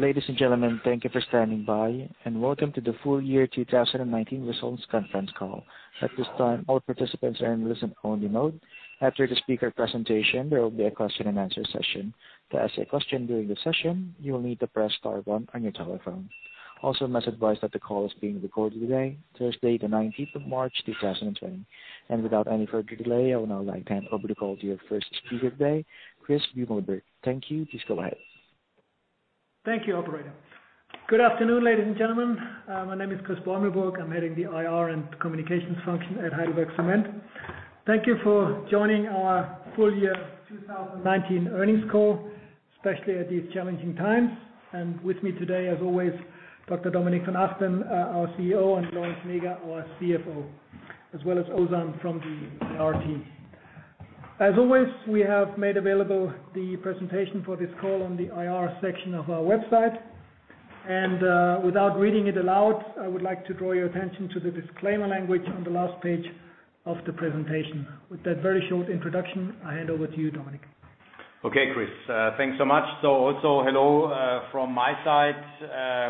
Ladies and gentlemen, thank you for standing by, welcome to the full year 2019 results conference call. At this time, all participants are in listen-only mode. After the speaker presentation, there will be a question and answer session. To ask a question during the session, you will need to press star one on your telephone. I must advise that the call is being recorded today, Thursday, the 19th of March, 2020. Without any further delay, I would now like to hand over the call to your first speaker today, Chris Beumelburg. Thank you. Please go ahead. Thank you, operator. Good afternoon, ladies and gentlemen. My name is Chris Beumelburg. I am heading the IR and communications function at Heidelberg Materials. Thank you for joining our full year 2019 earnings call, especially at these challenging times. With me today, as always, Dr. Dominik von Achten, our CEO, and Lorenz Näger, our CFO, as well as Ozan from the IR team. As always, we have made available the presentation for this call on the IR section of our website. Without reading it aloud, I would like to draw your attention to the disclaimer language on the last page of the presentation. With that very short introduction, I hand over to you, Dominik. Okay, Chris. Thanks so much. Also hello from my side.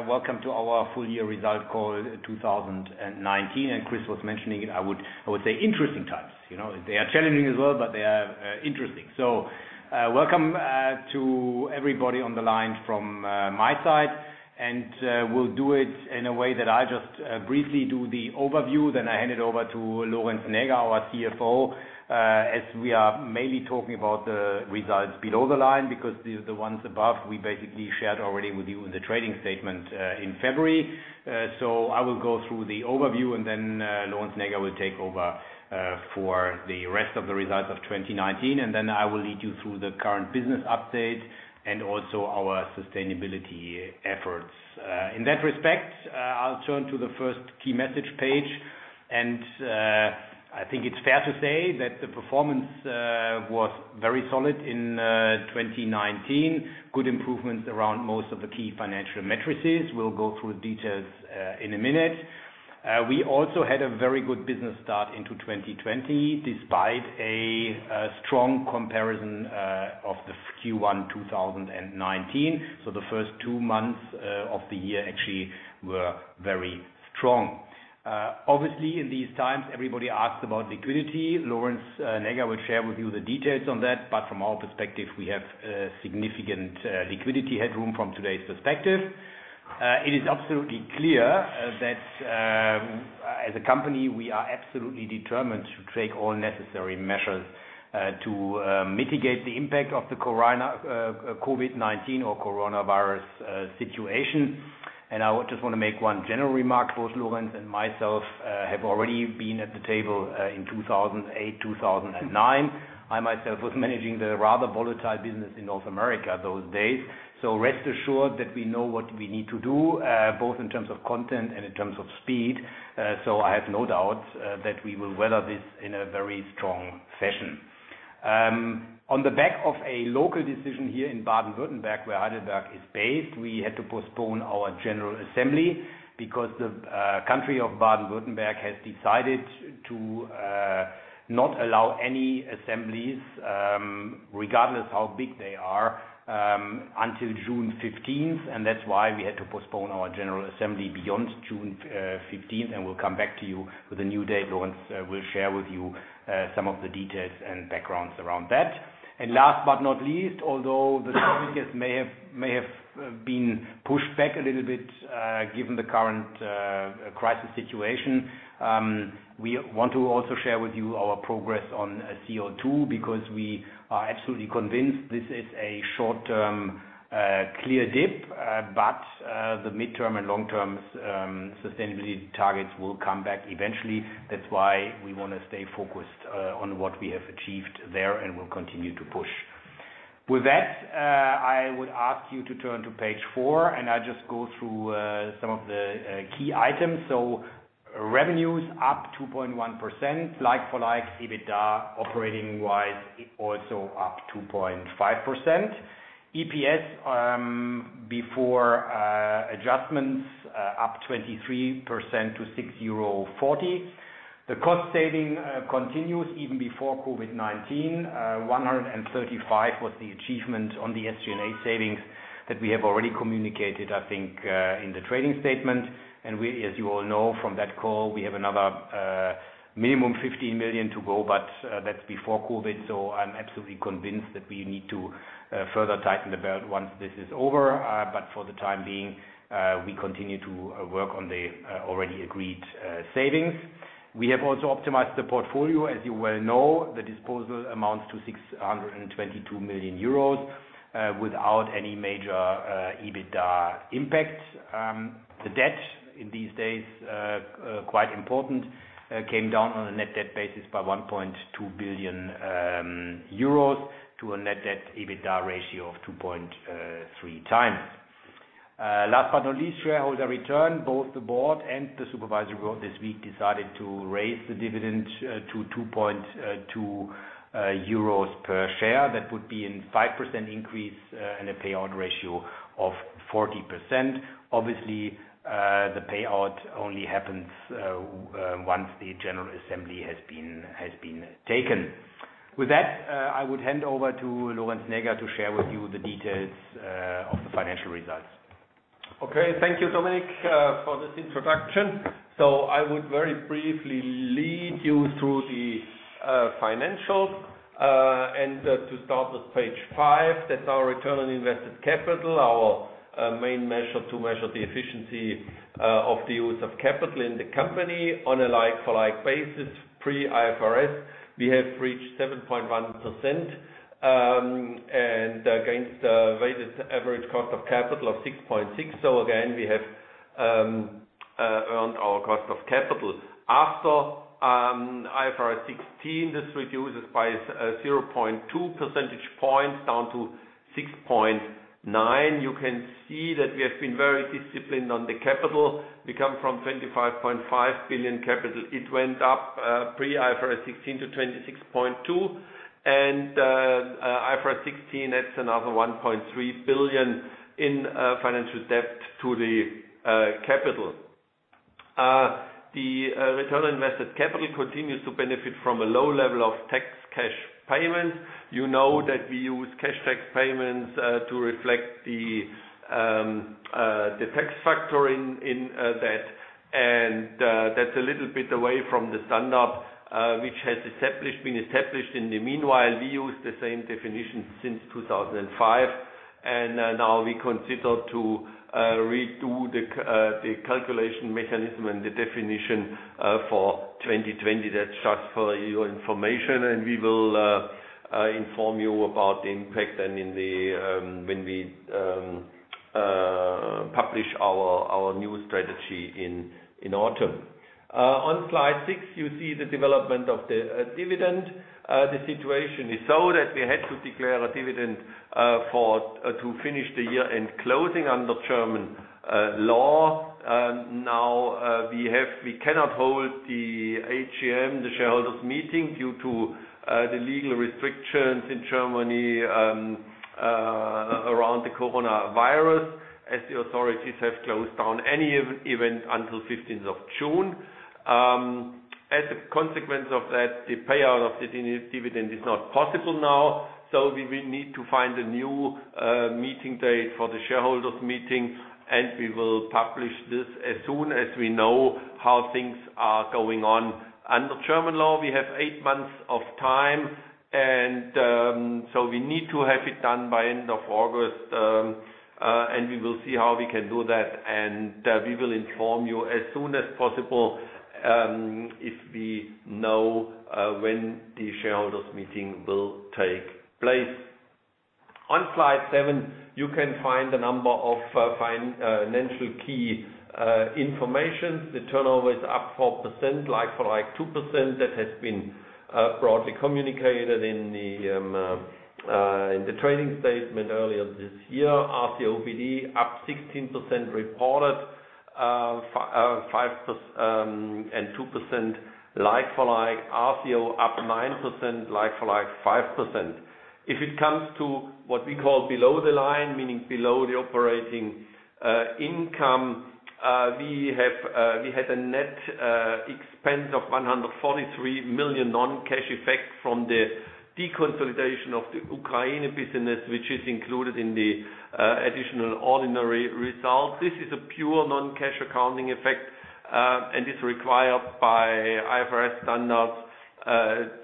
Welcome to our full year result call 2019. Chris was mentioning it, I would say interesting times. They are challenging as well, but they are interesting. Welcome to everybody on the line from my side, and we'll do it in a way that I just briefly do the overview, then I hand it over to Lorenz Näger, our CFO, as we are mainly talking about the results below the line because the ones above, we basically shared already with you in the trading statement in February. I will go through the overview and then Lorenz Näger will take over for the rest of the results of 2019, and then I will lead you through the current business update and also our sustainability efforts. In that respect, I'll turn to the first key message page, I think it's fair to say that the performance was very solid in 2019. Good improvements around most of the key financial matrices. We'll go through details in a minute. We also had a very good business start into 2020, despite a strong comparison of the Q1 2019. The first two months of the year actually were very strong. Obviously, in these times, everybody asks about liquidity. Lorenz Näger will share with you the details on that. From our perspective, we have significant liquidity headroom from today's perspective. It is absolutely clear that as a company, we are absolutely determined to take all necessary measures to mitigate the impact of the COVID-19 or coronavirus situation. I just want to make one general remark. Both Lorenz and myself have already been at the table in 2008, 2009. I myself was managing the rather volatile business in North America those days. Rest assured that we know what we need to do, both in terms of content and in terms of speed. I have no doubts that we will weather this in a very strong fashion. On the back of a local decision here in Baden-Württemberg, where Heidelberg is based, we had to postpone our general assembly because the country of Baden-Württemberg has decided to not allow any assemblies, regardless how big they are, until June 15th. That's why we had to postpone our general assembly beyond June 15th. We'll come back to you with a new date once we'll share with you some of the details and backgrounds around that. Last but not least, although the targets may have been pushed back a little bit given the current crisis situation, we want to also share with you our progress on CO2 because we are absolutely convinced this is a short-term clear dip. The midterm and long-term sustainability targets will come back eventually. That's why we want to stay focused on what we have achieved there and will continue to push. With that, I would ask you to turn to page four and I'll just go through some of the key items. Revenues up 2.1%, like-for-like EBITDA operating-wise, also up 2.5%. EPS before adjustments up 23% to 6.40 euro. The cost saving continues even before COVID-19. 135 was the achievement on the SG&A savings that we have already communicated, I think, in the trading statement. We, as you all know from that call, we have another minimum 15 million to go, but that's before COVID-19, so I'm absolutely convinced that we need to further tighten the belt once this is over. For the time being, we continue to work on the already agreed savings. We have also optimized the portfolio. As you well know, the disposal amounts to 622 million euros without any major EBITDA impact. The debt in these days, quite important, came down on a net debt basis by 1.2 billion euros to a net debt EBITDA ratio of 2.3x. Last but not least, shareholder return. Both the board and the supervisory board this week decided to raise the dividend to 2.2 euros per share. That would be in 5% increase and a payout ratio of 40%. Obviously, the payout only happens once the general assembly has been taken. With that, I would hand over to Lorenz Näger to share with you the details of the financial results. Okay. Thank you, Dominik, for this introduction. I would very briefly lead you through the financials. To start with page five, that's our return on invested capital, our main measure to measure the efficiency of the use of capital in the company on a like-for-like basis. Pre-IFRS, we have reached 7.1% against a weighted average cost of capital of 6.6%. Again, we have earned our cost of capital. After IFRS 16, this reduces by 0.2 percentage points down to 6.9%. You can see that we have been very disciplined on the capital. We come from 25.5 billion capital. It went up pre-IFRS 16 to 26.2 billion and IFRS 16, that's another 1.3 billion in financial debt to the capital. The return on invested capital continues to benefit from a low level of tax cash payments. You know that we use cash tax payments to reflect the tax factor in that. That's a little bit away from the standard which has been established in the meanwhile. We use the same definition since 2005. Now we consider to redo the calculation mechanism and the definition for 2020. That's just for your information. We will inform you about the impact when we publish our new strategy in autumn. On slide six, you see the development of the dividend. The situation is so that we had to declare a dividend to finish the year and closing under German law. Now we cannot hold the AGM, the shareholders meeting, due to the legal restrictions in Germany around the coronavirus, as the authorities have closed down any event until 15th of June. As a consequence of that, the payout of the dividend is not possible now. We will need to find a new meeting date for the shareholders meeting. We will publish this as soon as we know how things are going on. Under German law, we have eight months of time. We need to have it done by end of August. We will see how we can do that. We will inform you as soon as possible, if we know when the shareholders meeting will take place. On slide seven, you can find a number of financial key information. The turnover is up 4%, like for like 2%. That has been broadly communicated in the trading statement earlier this year. RCOBD up 16% reported and 2% like for like. RCO up 9%, like for like 5%. If it comes to what we call below the line, meaning below the operating income, we had a net expense of 143 million non-cash effect from the deconsolidation of the Ukraine business, which is included in the additional ordinary result. This is a pure non-cash accounting effect and is required by IFRS standards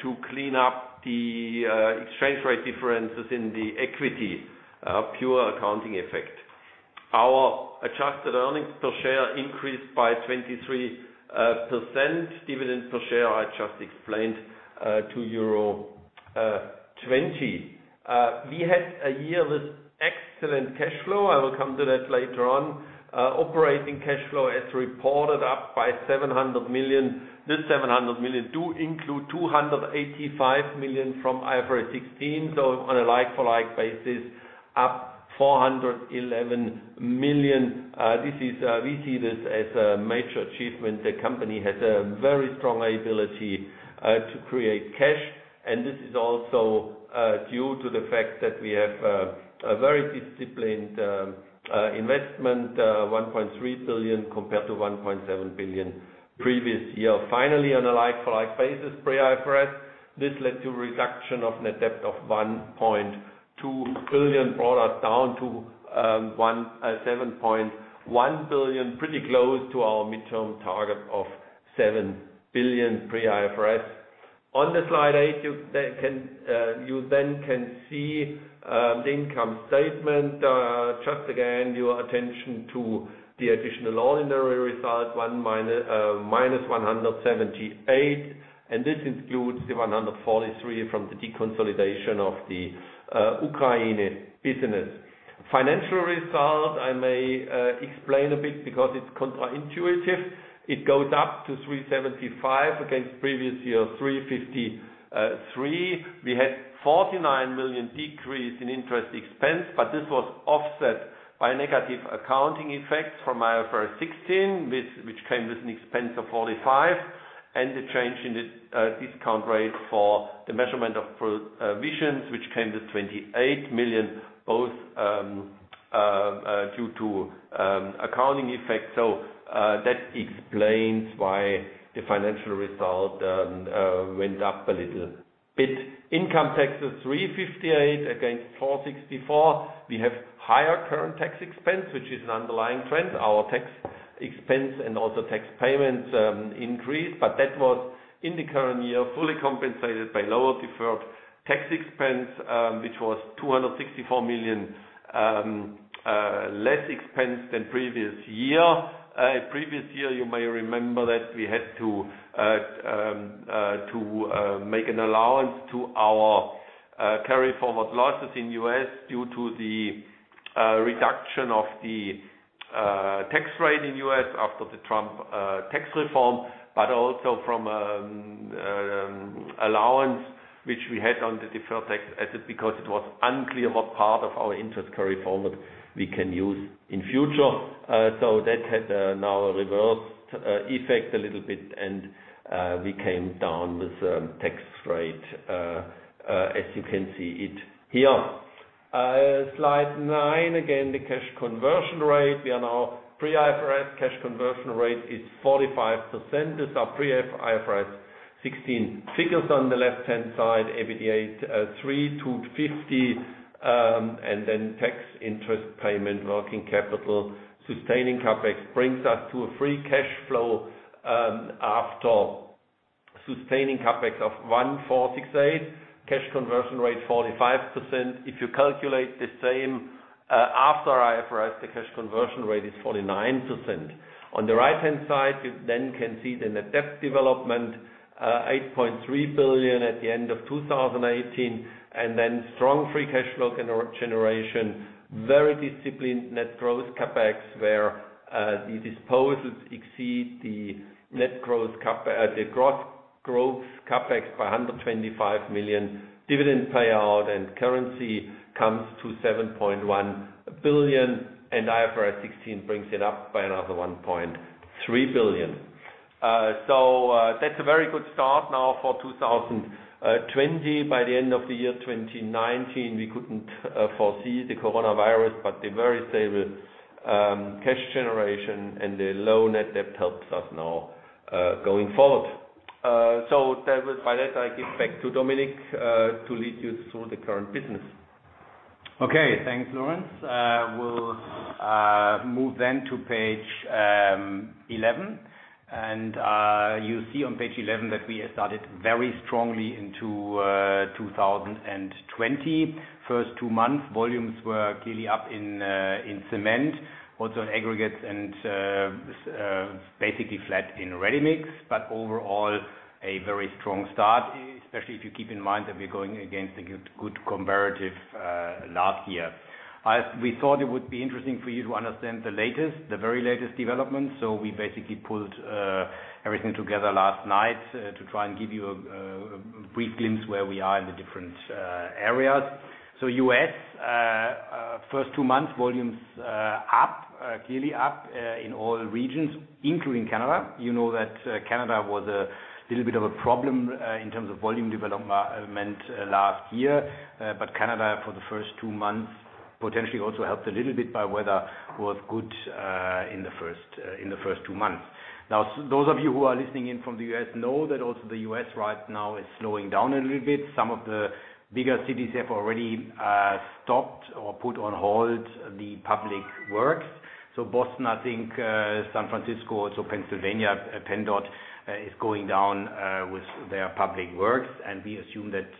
to clean up the exchange rate differences in the equity. A pure accounting effect. Our adjusted earnings per share increased by 23%. Dividends per share, I just explained, to euro 2.20. We had a year with excellent cash flow. I will come to that later on. Operating cash flow as reported up by 700 million. This 700 million do include 285 million from IFRS 16. On a like for like basis, up 411 million. We see this as a major achievement. The company has a very strong ability to create cash, and this is also due to the fact that we have a very disciplined investment, 1.3 billion compared to 1.7 billion previous year. Finally, on a like for like basis, pre-IFRS, this led to a reduction of net debt of 1.2 billion, brought us down to 7.1 billion, pretty close to our midterm target of 7 billion pre-IFRS. On slide eight, you then can see the income statement. Just again, your attention to the additional ordinary result, minus 178. This includes the 143 from the deconsolidation of the Ukraine business. Financial result, I may explain a bit because it's counterintuitive. It goes up to 375 against previous year, 353. We had 49 million decrease in interest expense, this was offset by negative accounting effects from IFRS 16, which came with an expense of 45, and the change in the discount rate for the measurement of provisions, which came to 28 million, both negative due to accounting effects. That explains why the financial result went up a little bit. Income tax is 358 against 464. We have higher current tax expense, which is an underlying trend. Our tax expense and also tax payments increased, that was in the current year, fully compensated by lower deferred tax expense, which was 264 million, less expense than previous year. Previous year, you may remember that we had to make an allowance to our carryforward losses in U.S. due to the reduction of the tax rate in U.S. after the Trump tax reform, but also from allowance which we had on the deferred tax asset, because it was unclear what part of our interest carryforward we can use in future. That had now a reversed effect a little bit and we came down with tax rate, as you can see it here. Slide nine, again, the cash conversion rate. We are now pre-IFRS cash conversion rate is 45%. These are pre IFRS 16 figures on the left-hand side. EBITDA 3,250, and then tax interest payment, working capital, sustaining CapEx brings us to a free cash flow after sustaining CapEx of 1,468, cash conversion rate 45%. If you calculate the same after IFRS, the cash conversion rate is 49%. On the right-hand side, you can see the net debt development, 8.3 billion at the end of 2018, strong free cash flow generation, very disciplined net growth CapEx, where the disposals exceed the gross growth CapEx by 125 million. Dividend payout and currency comes to 7.1 billion and IFRS 16 brings it up by another 1.3 billion. That's a very good start now for 2020. By the end of the year 2019, we couldn't foresee the coronavirus, the very stable cash generation and the low net debt helps us now, going forward. By that I give back to Dominik, to lead you through the current business. Okay, thanks Lorenz. We'll move then to page 11. You see on page 11 that we started very strongly into 2020. First two months, volumes were clearly up in cement, also aggregates and basically flat in ready mix. Overall a very strong start, especially if you keep in mind that we're going against a good comparative last year. We thought it would be interesting for you to understand the very latest development. We basically pulled everything together last night to try and give you a brief glimpse where we are in the different areas. U.S., first two months, volumes are clearly up in all regions, including Canada. You know that Canada was a little bit of a problem in terms of volume development last year. Canada for the first two months potentially also helped a little bit by weather, was good in the first two months. Those of you who are listening in from the U.S. know that also the U.S. right now is slowing down a little bit. Some of the bigger cities have already stopped or put on hold the public works. Boston, I think, San Francisco also Pennsylvania, PennDOT is going down with their public works. We assume that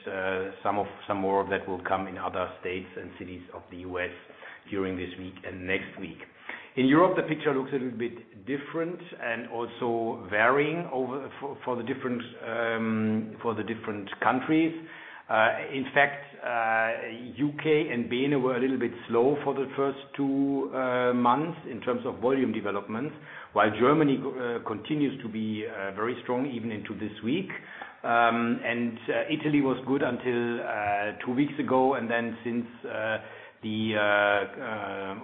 some more of that will come in other states and cities of the U.S. during this week and next week. In Europe, the picture looks a little bit different and also varying for the different countries. In fact, U.K. and Benelux were a little bit slow for the first two months in terms of volume development, while Germany continues to be very strong even into this week. Italy was good until two weeks ago. Since the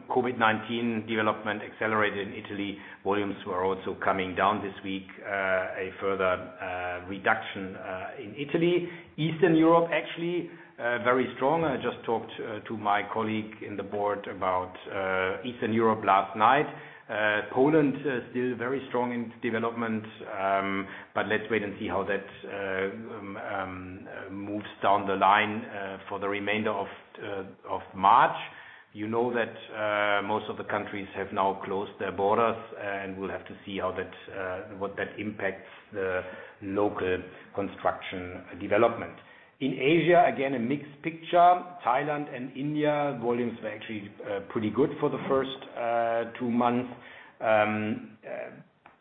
COVID-19 development accelerated in Italy, volumes were also coming down this week. A further reduction in Italy. Eastern Europe actually very strong. I just talked to my colleague in the board about Eastern Europe last night. Poland still very strong in development, but let's wait and see how that moves down the line for the remainder of March. You know that most of the countries have now closed their borders and we'll have to see what that impacts the local construction development. In Asia, again, a mixed picture. Thailand and India, volumes were actually pretty good for the first two months.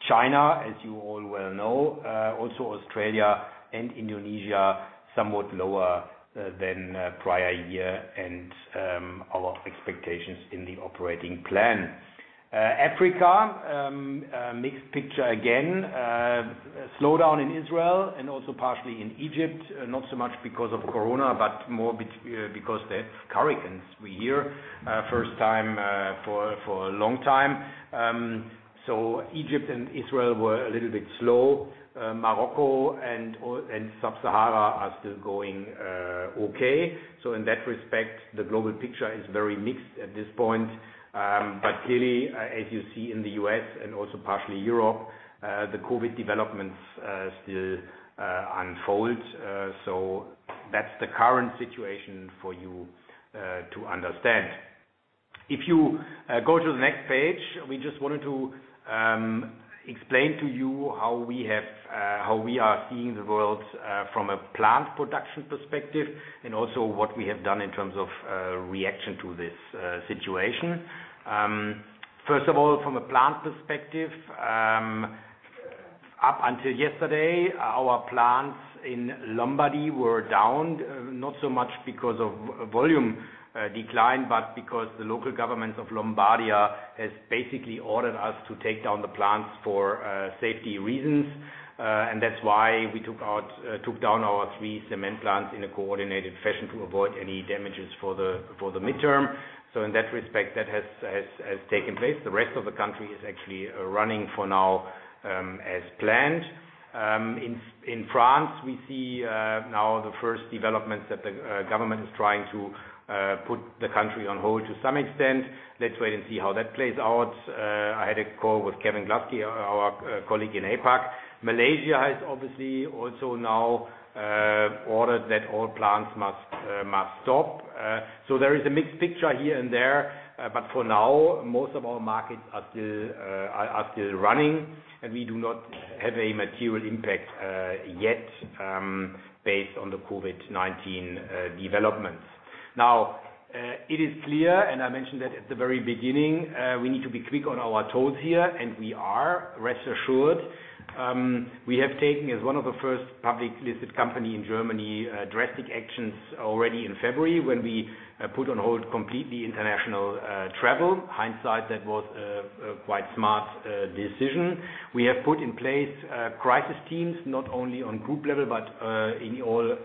China, as you all well know, also Australia and Indonesia, somewhat lower than prior year and our expectations in the operating plan. Africa, mixed picture again. Slow down in Israel and also partially in Egypt. Not so much because of Corona, but more because they have hurricanes we hear, first time for a long time. Egypt and Israel were a little bit slow. Morocco and Sub-Sahara are still going okay. In that respect, the global picture is very mixed at this point. Clearly, as you see in the U.S. and also partially Europe, the COVID developments still unfold. That's the current situation for you to understand. If you go to the next page, we just wanted to explain to you how we are seeing the world from a plant production perspective, and also what we have done in terms of reaction to this situation. First of all, from a plant perspective, up until yesterday, our plants in Lombardy were down, not so much because of volume decline, but because the local government of Lombardia has basically ordered us to take down the plants for safety reasons. That's why we took down our three cement plants in a coordinated fashion to avoid any damages for the midterm. In that respect, that has taken place. The rest of the country is actually running for now, as planned. In France, we see now the first developments that the government is trying to put the country on hold to some extent. Let's wait and see how that plays out. I had a call with Kevin Gluskie, our colleague in APAC. Malaysia has obviously also now ordered that all plants must stop. There is a mixed picture here and there, but for now, most of our markets are still running, and we do not have a material impact yet, based on the COVID-19 developments. It is clear, and I mentioned that at the very beginning, we need to be quick on our toes here, and we are, rest assured. We have taken, as one of the first public listed company in Germany, drastic actions already in February, when we put on hold completely international travel. Hindsight, that was a quite smart decision. We have put in place crisis teams, not only on group level, but in all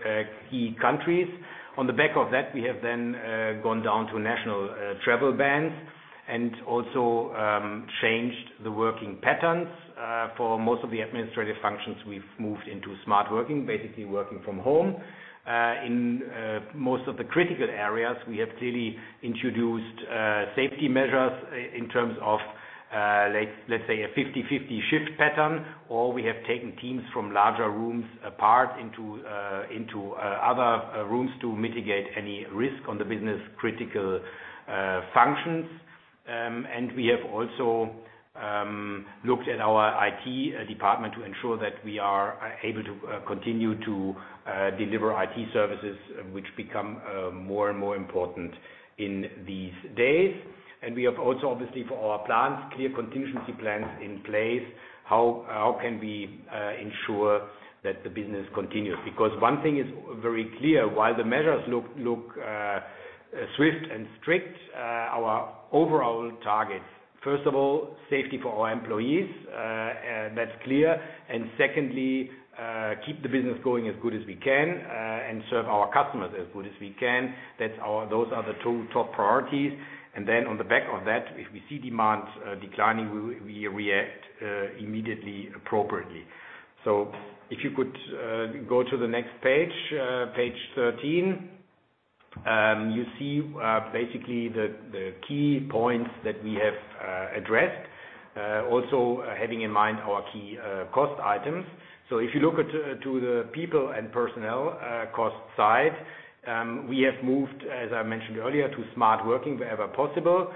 key countries. On the back of that, we have gone down to national travel bans and also changed the working patterns. For most of the administrative functions, we've moved into smart working, basically working from home. In most of the critical areas, we have clearly introduced safety measures in terms of, let's say, a 50/50 shift pattern, or we have taken teams from larger rooms apart into other rooms to mitigate any risk on the business critical functions. We have also looked at our IT department to ensure that we are able to continue to deliver IT services, which become more and more important in these days. We have also, obviously, for our plants, clear contingency plans in place, how can we ensure that the business continues? Because one thing is very clear, while the measures look swift and strict, our overall targets, first of all, safety for our employees, and that's clear, secondly, keep the business going as good as we can, and serve our customers as good as we can. Those are the two top priorities. On the back of that, if we see demands declining, we react immediately appropriately. If you could go to the next page 13. You see basically the key points that we have addressed, also having in mind our key cost items. If you look to the people and personnel cost side, we have moved, as I mentioned earlier, to smart working wherever possible.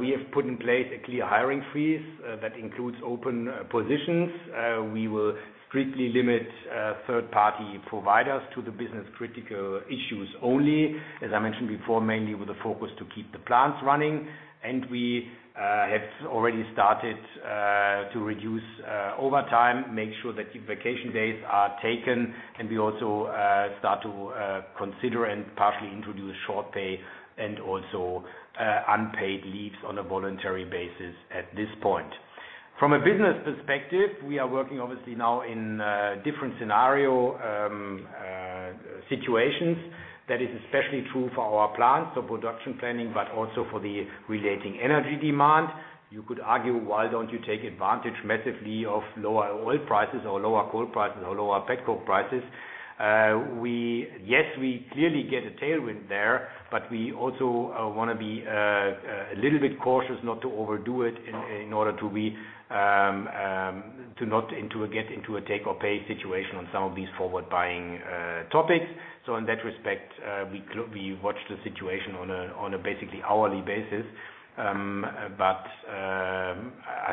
We have put in place a clear hiring freeze that includes open positions. We will strictly limit third-party providers to the business critical issues only, as I mentioned before, mainly with the focus to keep the plants running. We have already started to reduce overtime, make sure that vacation days are taken, and we also start to consider and partially introduce short pay and also unpaid leaves on a voluntary basis at this point. From a business perspective, we are working obviously now in different scenario situations. That is especially true for our plants, so production planning, but also for the relating energy demand. You could argue, why don't you take advantage massively of lower oil prices or lower coal prices or lower pet coke prices? Yes, we clearly get a tailwind there, but we also want to be a little bit cautious not to overdo it in order to not get into a take or pay situation on some of these forward buying topics. In that respect, we watch the situation on a basically hourly basis. I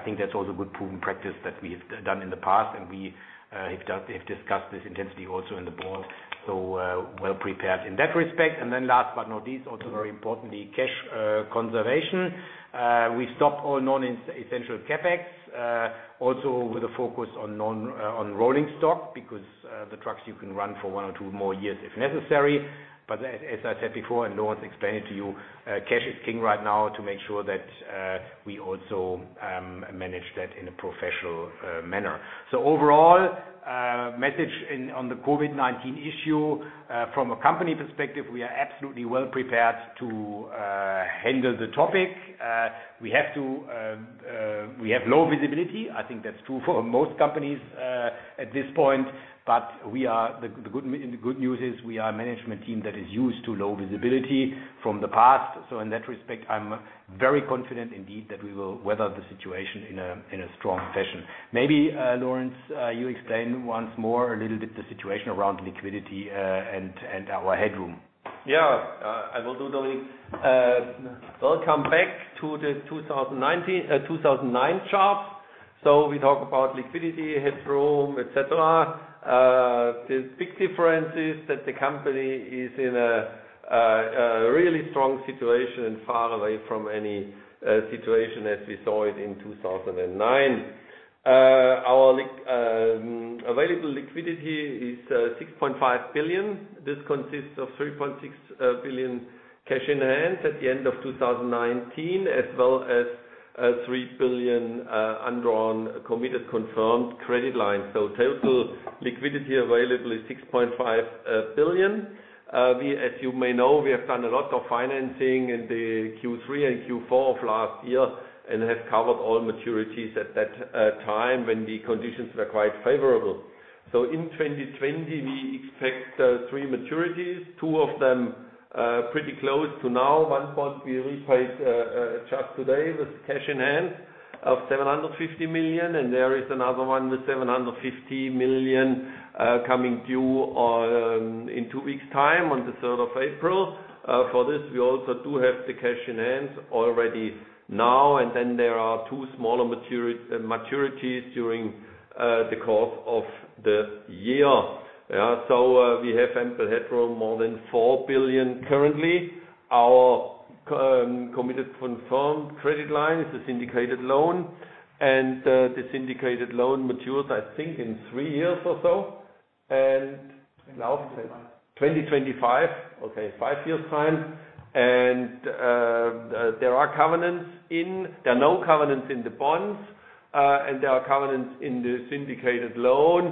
think that's also good proven practice that we have done in the past, and we have discussed this intensity also in the board, so well prepared in that respect. Last but not least, also very importantly, cash conservation. We've stopped all non-essential CapEx, also with a focus on rolling stock, because the trucks you can run for one or two more years if necessary. As I said before, Lorenz explained it to you, cash is king right now to make sure that we also manage that in a professional manner. Overall, message on the COVID-19 issue, from a company perspective, we are absolutely well prepared to handle the topic. We have low visibility. I think that's true for most companies at this point, but the good news is we are a management team that is used to low visibility from the past. In that respect, I'm very confident indeed that we will weather the situation in a strong fashion. Maybe, Lorenz, you explain once more a little bit the situation around liquidity and our headroom. Yeah. I will do that. Welcome back to the 2009 chart. We talk about liquidity, headroom, et cetera. The big difference is that the company is in a really strong situation, far away from any situation as we saw it in 2009. Our available liquidity is 6.5 billion. This consists of 3.6 billion cash in hand at the end of 2019, as well as 3 billion undrawn, committed, confirmed credit lines. Total liquidity available is 6.5 billion. As you may know, we have done a lot of financing in the Q3 and Q4 of last year and have covered all maturities at that time when the conditions were quite favorable. In 2020, we expect three maturities, two of them pretty close to now. One bond we repaid just today with cash in hand of 750 million. There is another one with 750 million coming due in two weeks' time, on the 3rd of April. For this, we also do have the cash in hand already now. There are two smaller maturities during the course of the year. We have ample headroom, more than 4 billion currently. Our committed confirmed credit line is a syndicated loan. This syndicated loan matures, I think, in three years or so, 2025. Okay, five years' time. There are covenants in. There are no covenants in the bonds. There are covenants in the syndicated loan.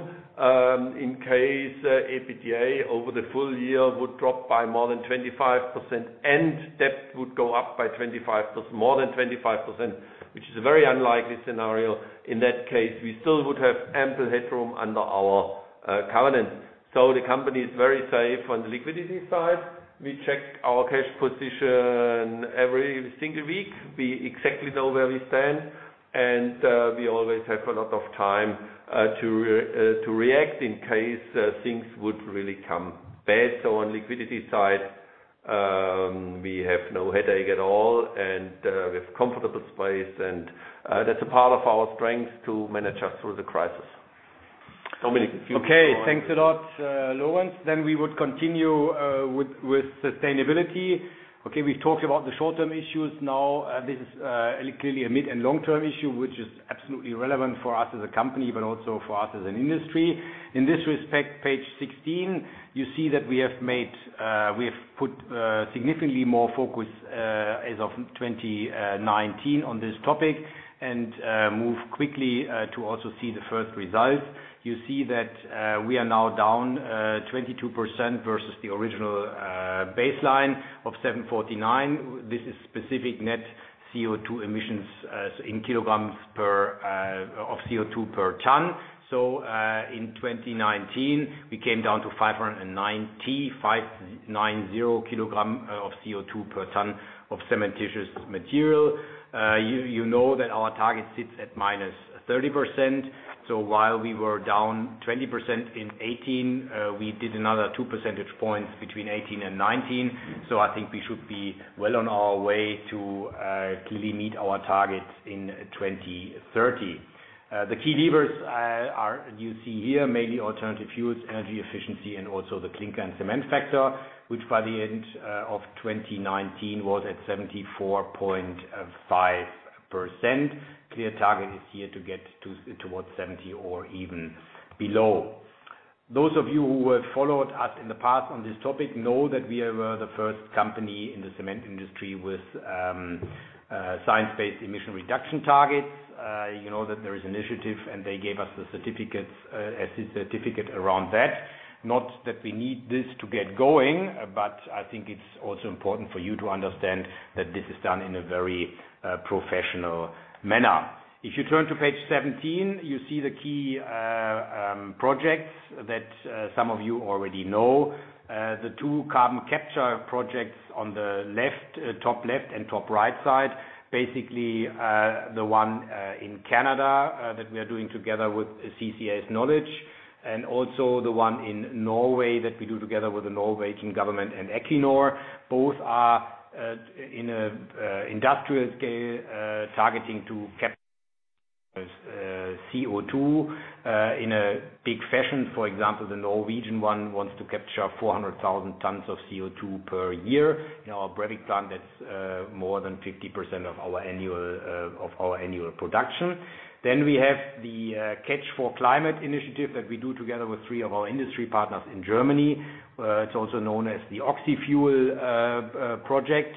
In case EBITDA over the full year would drop by more than 25% and debt would go up by more than 25%, which is a very unlikely scenario, in that case, we still would have ample headroom under our covenant. The company is very safe on the liquidity side. We check our cash position every single week. We exactly know where we stand, and we always have a lot of time to react in case things would really come bad. On the liquidity side, we have no headache at all, and we have comfortable space, and that's a part of our strength to manage us through the crisis. Dominik. Thanks a lot, Lorenz. We would continue with sustainability. We've talked about the short-term issues. This is clearly a mid and long-term issue, which is absolutely relevant for us as a company, but also for us as an industry. In this respect, page 16, you see that we have put significantly more focus as of 2019 on this topic and moved quickly to also see the first results. You see that we are now down 22% versus the original baseline of 749. This is specific net CO2 emissions in kilograms of CO2 per ton. In 2019, we came down to 590 kilograms of CO2 per ton of cementitious material. You know that our target sits at minus 30%. While we were down 20% in 2018, we did another two percentage points between 2018 and 2019. I think we should be well on our way to clearly meet our target in 2030. The key levers are, you see here, mainly alternative fuels, energy efficiency, and also the clinker and cement factor, which by the end of 2019 was at 74.5%. Clear target is here to get towards 70% or even below. Those of you who have followed us in the past on this topic know that we were the first company in the cement industry with science-based emission reduction targets. You know that there is initiative, and they gave us a certificate around that. Not that we need this to get going, but I think it's also important for you to understand that this is done in a very professional manner. If you turn to page 17, you see the key projects that some of you already know. The two carbon capture projects on the top left and top right side. Basically, the one in Canada that we are doing together with CCS Knowledge and also the one in Norway that we do together with the Norwegian government and Equinor. Both are in an industrial scale, targeting to capture CO2 in a big fashion. For example, the Norwegian one wants to capture 400,000 tons of CO2 per year. In our Brevik plant, that's more than 50% of our annual production. We have the catch4climate initiative that we do together with three of our industry partners in Germany. It's also known as the Oxyfuel project,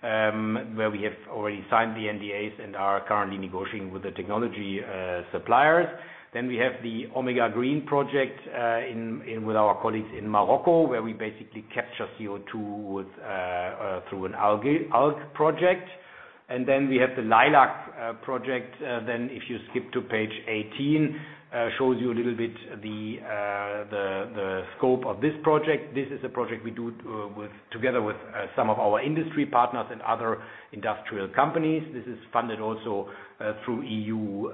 where we have already signed the NDAs and are currently negotiating with the technology suppliers. We have the Omega Green project with our colleagues in Morocco, where we basically capture CO2 through an algae project. We have the LEILAC project. If you skip to page 18, shows you a little bit the scope of this project. This is a project we do together with some of our industry partners and other industrial companies. This is funded also through EU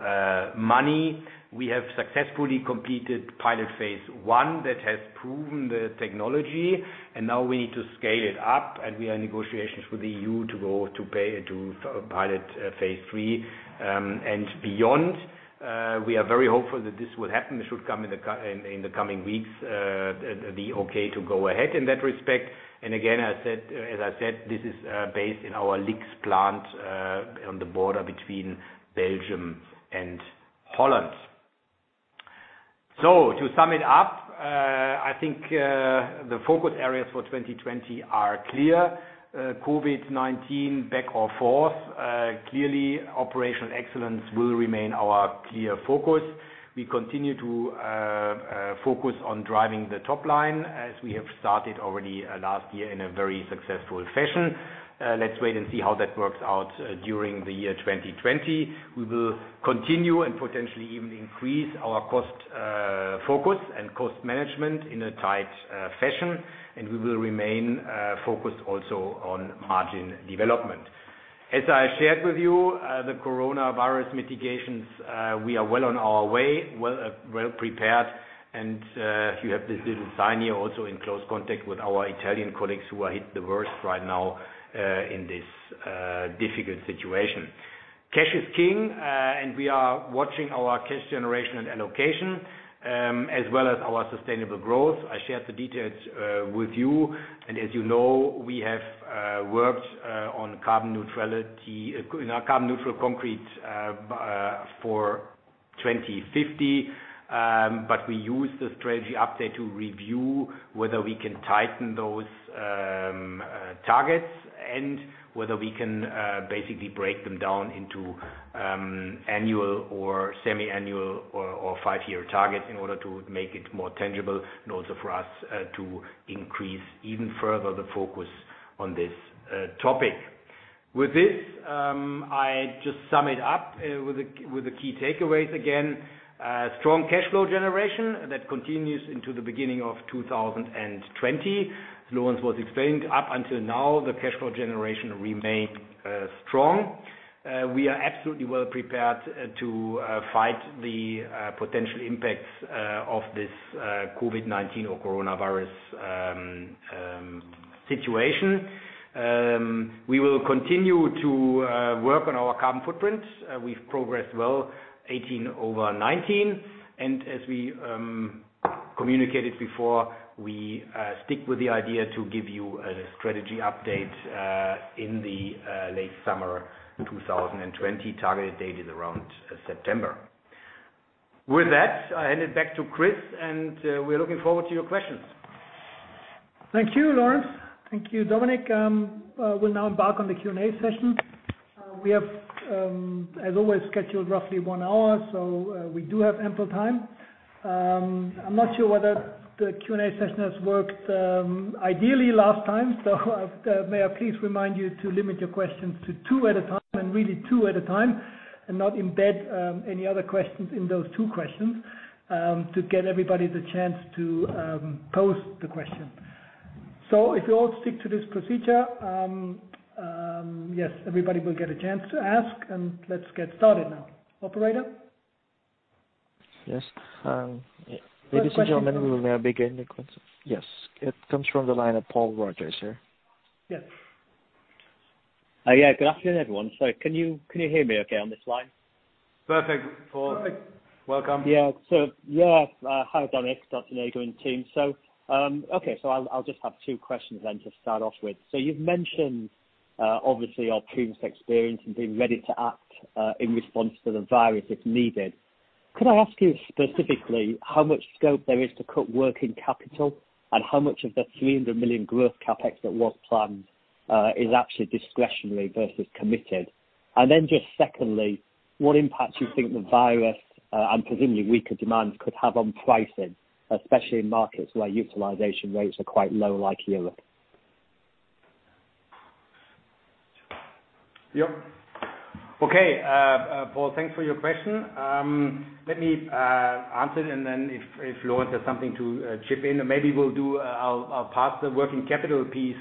money. We have successfully completed pilot phase I that has proven the technology, and now we need to scale it up, and we are in negotiations with the EU to go to pilot phase III and beyond. We are very hopeful that this will happen. This should come in the coming weeks, the okay to go ahead in that respect. Again, as I said, this is based in our Lixhe plant, on the border between Belgium and Holland. To sum it up, I think, the focus areas for 2020 are clear. COVID-19 back or forth, clearly operational excellence will remain our clear focus. We continue to focus on driving the top line as we have started already last year in a very successful fashion. Let's wait and see how that works out during the year 2020. We will continue and potentially even increase our cost focus and cost management in a tight fashion. We will remain focused also on margin development. As I shared with you, the coronavirus mitigations, we are well on our way, well prepared and, if you have this little sign here, also in close contact with our Italian colleagues who are hit the worst right now, in this difficult situation. Cash is king, and we are watching our cash generation and allocation, as well as our sustainable growth. I shared the details with you, and as you know, we have worked on carbon neutral concrete for 2050. We use the strategy update to review whether we can tighten those targets and whether we can basically break them down into annual or semiannual or five-year targets in order to make it more tangible, and also for us to increase even further the focus on this topic. With this, I just sum it up with the key takeaways again. Strong cash flow generation that continues into the beginning of 2020. Lorenz was explaining up until now, the cash flow generation remained strong. We are absolutely well prepared to fight the potential impacts of this COVID-19 or coronavirus situation. We will continue to work on our carbon footprint. We've progressed well 2018 over 2019. As we communicated before, we stick with the idea to give you a strategy update in the late summer 2020, targeted date is around September. With that, I hand it back to Chris, and we're looking forward to your questions. Thank you, Lorenz. Thank you, Dominik. We'll now embark on the Q&A session. We have, as always, scheduled roughly one hour, so we do have ample time. I'm not sure whether the Q&A session has worked ideally last time, so may I please remind you to limit your questions to two at a time, and really two at a time, and not embed any other questions in those two questions, to get everybody the chance to pose the question. If you all stick to this procedure, yes, everybody will get a chance to ask and let's get started now. Operator? Ladies, gentlemen, we may begin the questions. It comes from the line of Paul Roger, sir. Yeah. Good afternoon, everyone. Sorry, can you hear me okay on this line? Perfect, Paul. Perfect. Welcome. Yeah. Hi, Dominik. Good afternoon to you and team. Okay, I'll just have two questions to start off with. You've mentioned, obviously your previous experience and being ready to act in response to the virus if needed. Could I ask you specifically how much scope there is to cut working capital and how much of the 300 million growth CapEx that was planned is actually discretionary versus committed? Just secondly, what impact do you think the virus, and presumably weaker demands could have on pricing, especially in markets where utilization rates are quite low, like Europe? Yep. Okay, Paul, thanks for your question. Let me answer and then if Lorenz has something to chip in, maybe I'll pass the working capital piece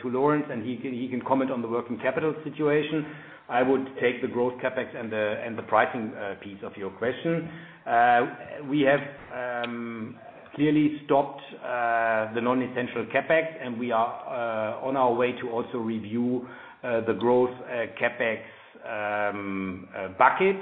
to Lorenz and he can comment on the working capital situation. I would take the growth CapEx and the pricing piece of your question. We have clearly stopped the non-essential CapEx, and we are on our way to also review the growth CapEx bucket.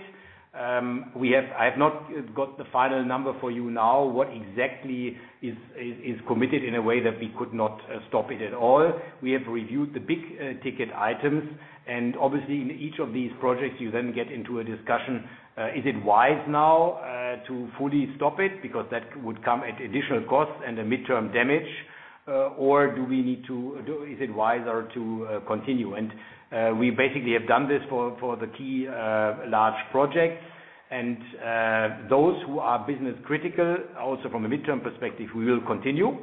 I have not got the final number for you now, what exactly is committed in a way that we could not stop it at all. We have reviewed the big-ticket items, and obviously in each of these projects, you then get into a discussion, is it wise now to fully stop it? Because that would come at additional cost and a midterm damage. Or is it wiser to continue? We basically have done this for the key large projects and those who are business critical, also from a midterm perspective, we will continue,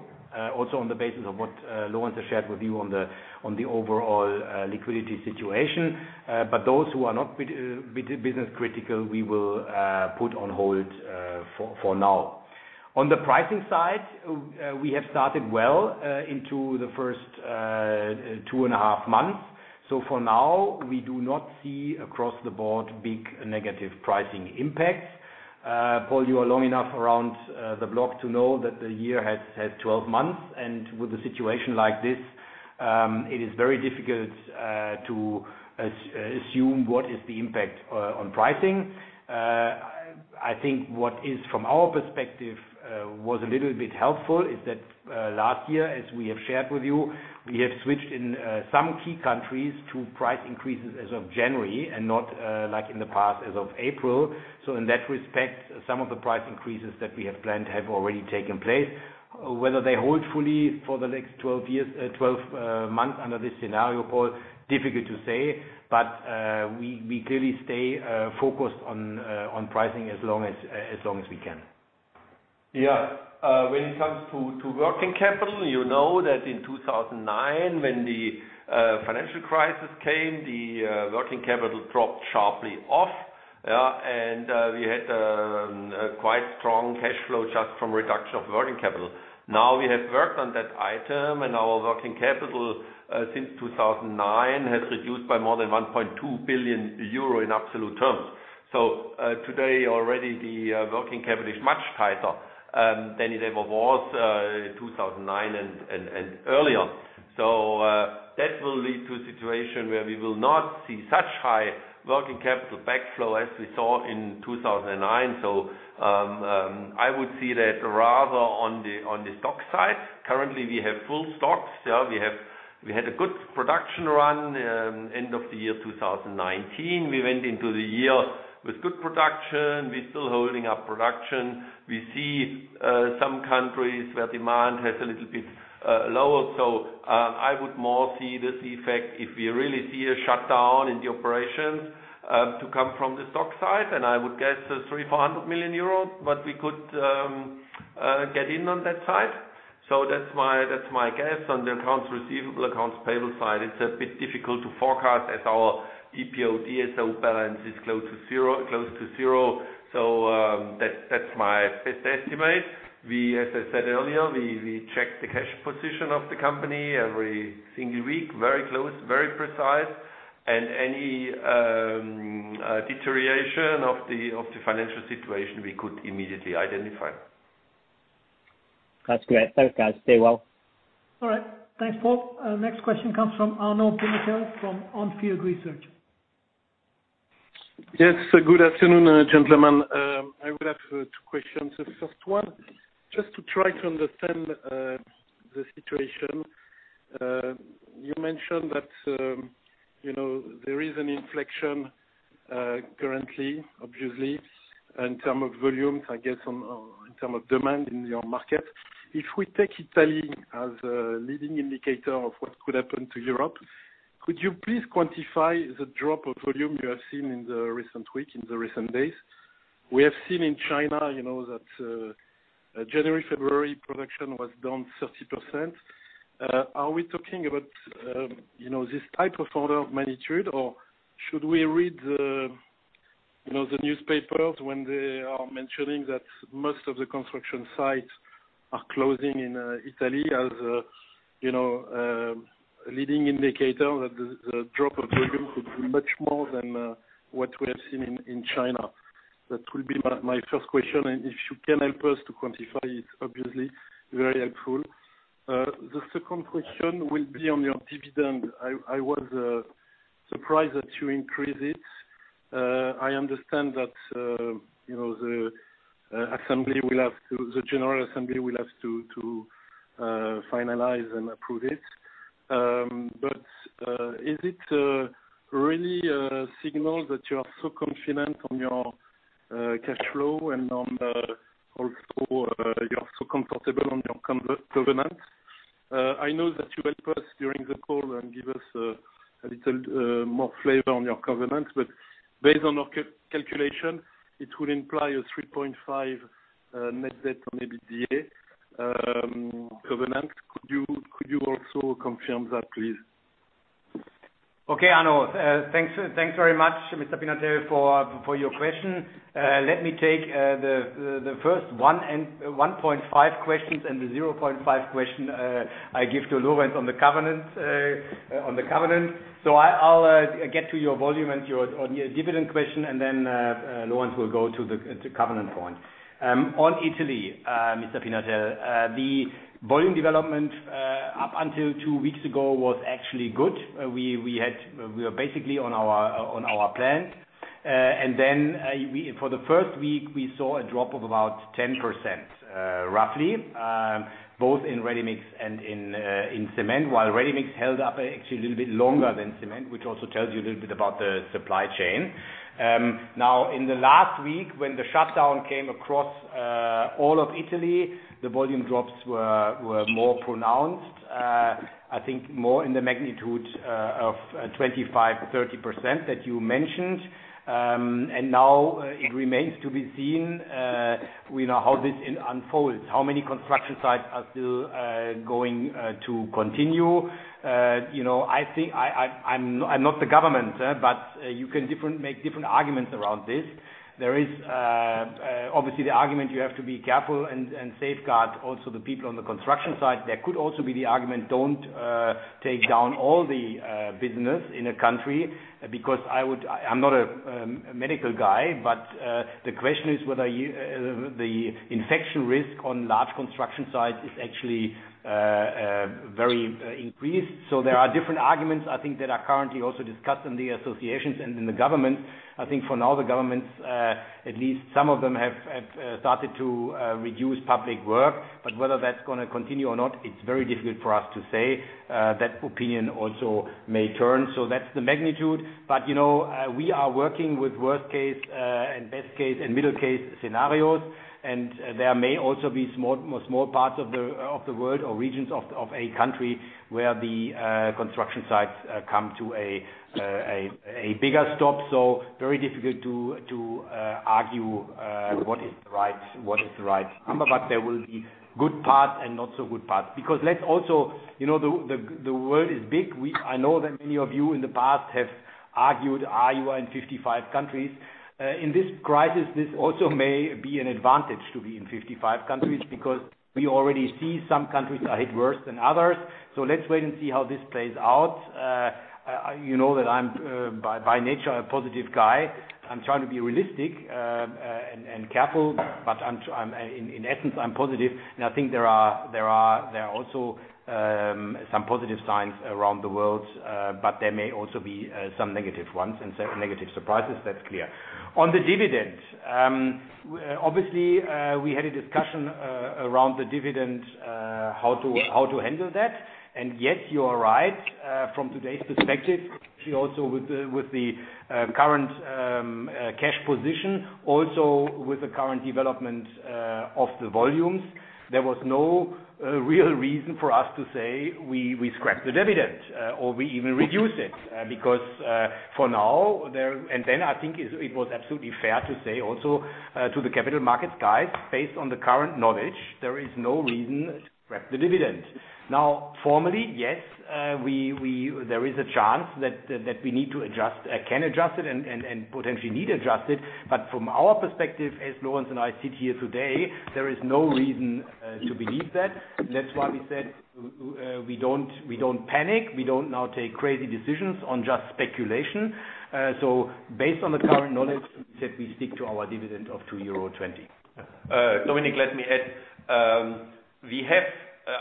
also on the basis of what Lorenz has shared with you on the overall liquidity situation. Those who are not business critical, we will put on hold for now. On the pricing side, we have started well into the first two and a half months. For now, we do not see across the board big negative pricing impacts. Paul, you are long enough around the block to know that the year has 12 months, and with a situation like this, it is very difficult to assume what is the impact on pricing. I think what is, from our perspective, was a little bit helpful is that last year, as we have shared with you, we have switched in some key countries to price increases as of January and not like in the past, as of April. In that respect, some of the price increases that we have planned have already taken place. Whether they hold fully for the next 12 months under this scenario, Paul, difficult to say. We clearly stay focused on pricing as long as we can. When it comes to working capital, you know that in 2009, when the financial crisis came, the working capital dropped sharply off. We had quite strong cash flow just from reduction of working capital. We have worked on that item, and our working capital since 2009 has reduced by more than 1.2 billion euro in absolute terms. Today already, the working capital is much tighter than it ever was in 2009 and earlier. That will lead to a situation where we will not see such high working capital backflow as we saw in 2009. I would see that rather on the stock side. Currently, we have full stocks. We had a good production run end of the year 2019. We went into the year with good production. We're still holding our production. We see some countries where demand has a little bit lower. I would more see this effect if we really see a shutdown in the operations to come from the stock side, and I would guess 300 million euro or 400 million euros, what we could get in on that side. That's my guess on the accounts receivable, accounts payable side. It's a bit difficult to forecast as our DPO, DSO balance is close to zero. That's my best estimate. As I said earlier, we check the cash position of the company every single week, very close, very precise. Any deterioration of the financial situation, we could immediately identify. That's great. Thanks, guys. Stay well. All right. Thanks, Paul. Next question comes from Arnaud Pinatel from On Field Investment Research. Yes. Good afternoon, gentlemen. I would have two questions. The first one, just to try to understand the situation. You mentioned that there is an inflection currently, obviously, in terms of volumes, I guess in terms of demand in your market. If we take Italy as a leading indicator of what could happen to Europe, could you please quantify the drop of volume you have seen in the recent week, in the recent days? We have seen in China that January, February production was down 30%. Are we talking about this type of order of magnitude, or should we read the newspapers when they are mentioning that most of the construction sites are closing in Italy as a leading indicator that the drop of volume could be much more than what we have seen in China? That will be my first question, and if you can help us to quantify it, obviously, very helpful. The second question will be on your dividend. I was surprised that you increased it. I understand that the general assembly will have to finalize and approve it. Is it really a signal that you are so confident on your cash flow and also you are so comfortable on your covenants? I know that you helped us during the call and give us a little more flavor on your covenants, but based on our calculation, it would imply a 3.5 net debt on EBITDA covenant. Could you also confirm that, please? Okay, Arnaud. Thanks very much, Mr. Pinatel, for your question. Let me take the first 1.5 questions and the 0.5 question I give to Lorenz on the covenant. I'll get to your volume and your dividend question, and then Lorenz will go to the covenant point. On Italy, Mr. Pinatel, the volume development up until two weeks ago was actually good. We were basically on our plan. Then for the first week, we saw a drop of about 10%, roughly, both in ready mix and in cement, while ready mix held up actually a little bit longer than cement, which also tells you a little bit about the supply chain. Now, in the last week when the shutdown came across all of Italy, the volume drops were more pronounced. I think more in the magnitude of 25%, 30% that you mentioned. Now it remains to be seen how this unfolds, how many construction sites are still going to continue. I'm not the government, you can make different arguments around this. There is obviously the argument you have to be careful and safeguard also the people on the construction site. There could also be the argument, don't take down all the business in a country, because I'm not a medical guy, the question is whether the infection risk on large construction sites is actually very increased. There are different arguments, I think, that are currently also discussed in the associations and in the government. I think for now, the governments, at least some of them have started to reduce public work. Whether that's going to continue or not, it's very difficult for us to say. That opinion also may turn. That's the magnitude. We are working with worst case and best case and middle case scenarios, and there may also be small parts of the world or regions of a country where the construction sites come to a bigger stop. Very difficult to argue what is the right number. There will be good parts and not so good parts, because the world is big. I know that many of you in the past have argued, you are in 55 countries. In this crisis, this also may be an advantage to be in 55 countries, because we already see some countries are hit worse than others. Let's wait and see how this plays out. You know that I'm by nature, a positive guy. I'm trying to be realistic and careful, but in essence, I'm positive. I think there are also some positive signs around the world. There may also be some negative ones and some negative surprises, that's clear. On the dividend. Obviously, we had a discussion around the dividend, how to handle that. Yes, you are right. From today's perspective, especially also with the current cash position, also with the current development of the volumes, there was no real reason for us to say we scrap the dividend or we even reduce it. I think it was absolutely fair to say also to the capital markets guys, based on the current knowledge, there is no reason to scrap the dividend. Formally, yes, there is a chance that we can adjust it and potentially need to adjust it. From our perspective, as Lorenz and I sit here today, there is no reason to believe that. That's why we said we don't panic. We don't now take crazy decisions on just speculation. Based on the current knowledge, we said we stick to our dividend of 2.20 euro. Dominik, let me add.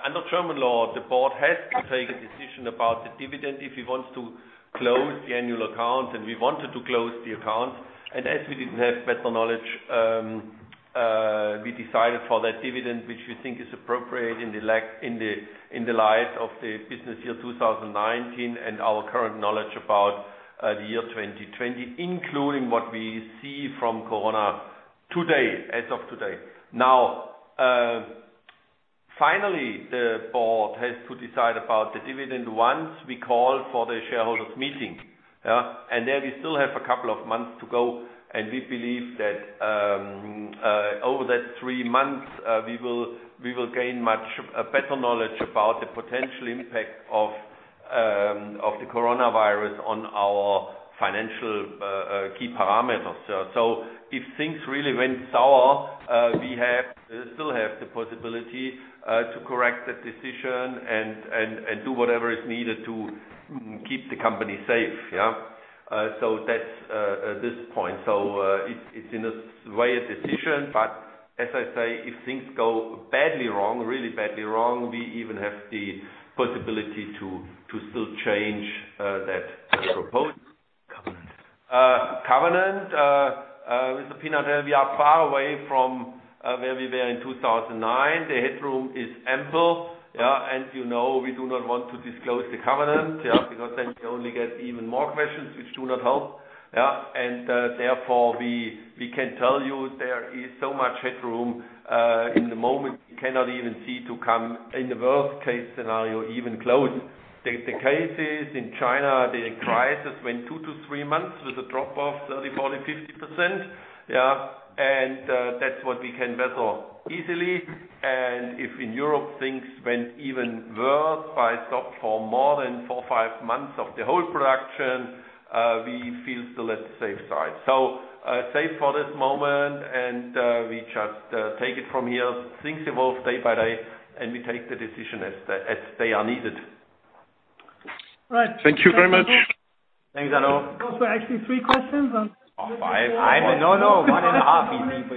Under German law, the board has to take a decision about the dividend if it wants to close the annual account, and we wanted to close the account. As we didn't have better knowledge, we decided for that dividend, which we think is appropriate in the light of the business year 2019 and our current knowledge about the year 2020, including what we see from Corona as of today. Finally, the board has to decide about the dividend once we call for the shareholders' meeting. There we still have a couple of months to go, and we believe that over that three months, we will gain much better knowledge about the potential impact of the coronavirus on our financial key parameters. If things really went sour, we still have the possibility to correct that decision and do whatever is needed to keep the company safe. Yeah. That's this point. It's in a way, a decision, but as I say, if things go badly wrong, really badly wrong, we even have the possibility to still change that proposal. Covenant. Covenant. Mr. Pinatel, we are far away from where we were in 2009. The headroom is ample. Yeah. We do not want to disclose the covenant, yeah. Because then we only get even more questions, which do not help. Yeah. Therefore, we can tell you there is so much headroom in the moment we cannot even see to come in the worst case scenario, even close. The cases in China, the crisis went two to three months with a drop of 30%, 40%, 50%. Yeah. That's what we can weather easily. If in Europe things went even worse by stop for more than four, five months of the whole production, we feel still at the safe side. Safe for this moment, and we just take it from here. Things evolve day by day, and we take the decision as they are needed. Right. Thank you very much. Thanks, Arnaud. Those were actually three questions. Oh, five. No, no. One and a half he means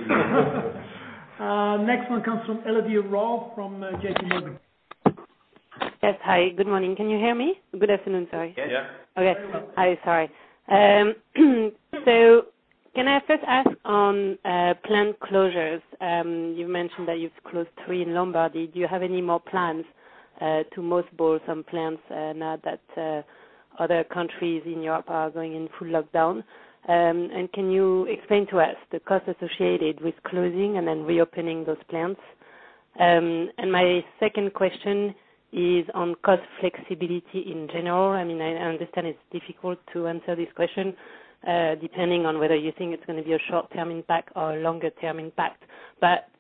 Next one comes from Elodie Rall from JPMorgan. Yes. Hi, good morning. Can you hear me? Good afternoon, sorry. Yeah. Yeah. Okay. Hi, sorry. Can I first ask on plant closures? You mentioned that you've closed three in Lombardy. Do you have any more plans to mothball some plants now that other countries in Europe are going in full lockdown. Can you explain to us the cost associated with closing and then reopening those plants? My second question is on cost flexibility in general. I understand it's difficult to answer this question, depending on whether you think it's going to be a short-term impact or a longer-term impact.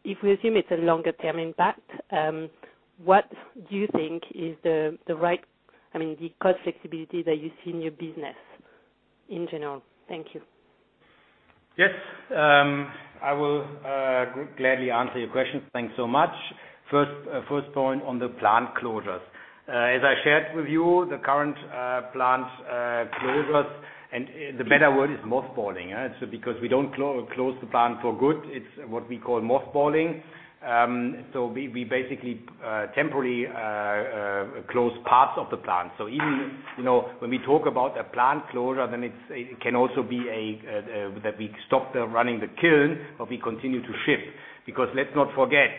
If we assume it's a longer-term impact, what do you think is the right cost flexibility that you see in your business in general? Thank you. Yes. I will gladly answer your questions. Thanks so much. First point on the plant closures. As I shared with you, the current plant closures, and the better word is mothballing. Because we don't close the plant for good, it's what we call mothballing. We basically temporarily close parts of the plant. Even when we talk about a plant closure, then it can also be that we stop running the kiln, but we continue to ship. Let's not forget,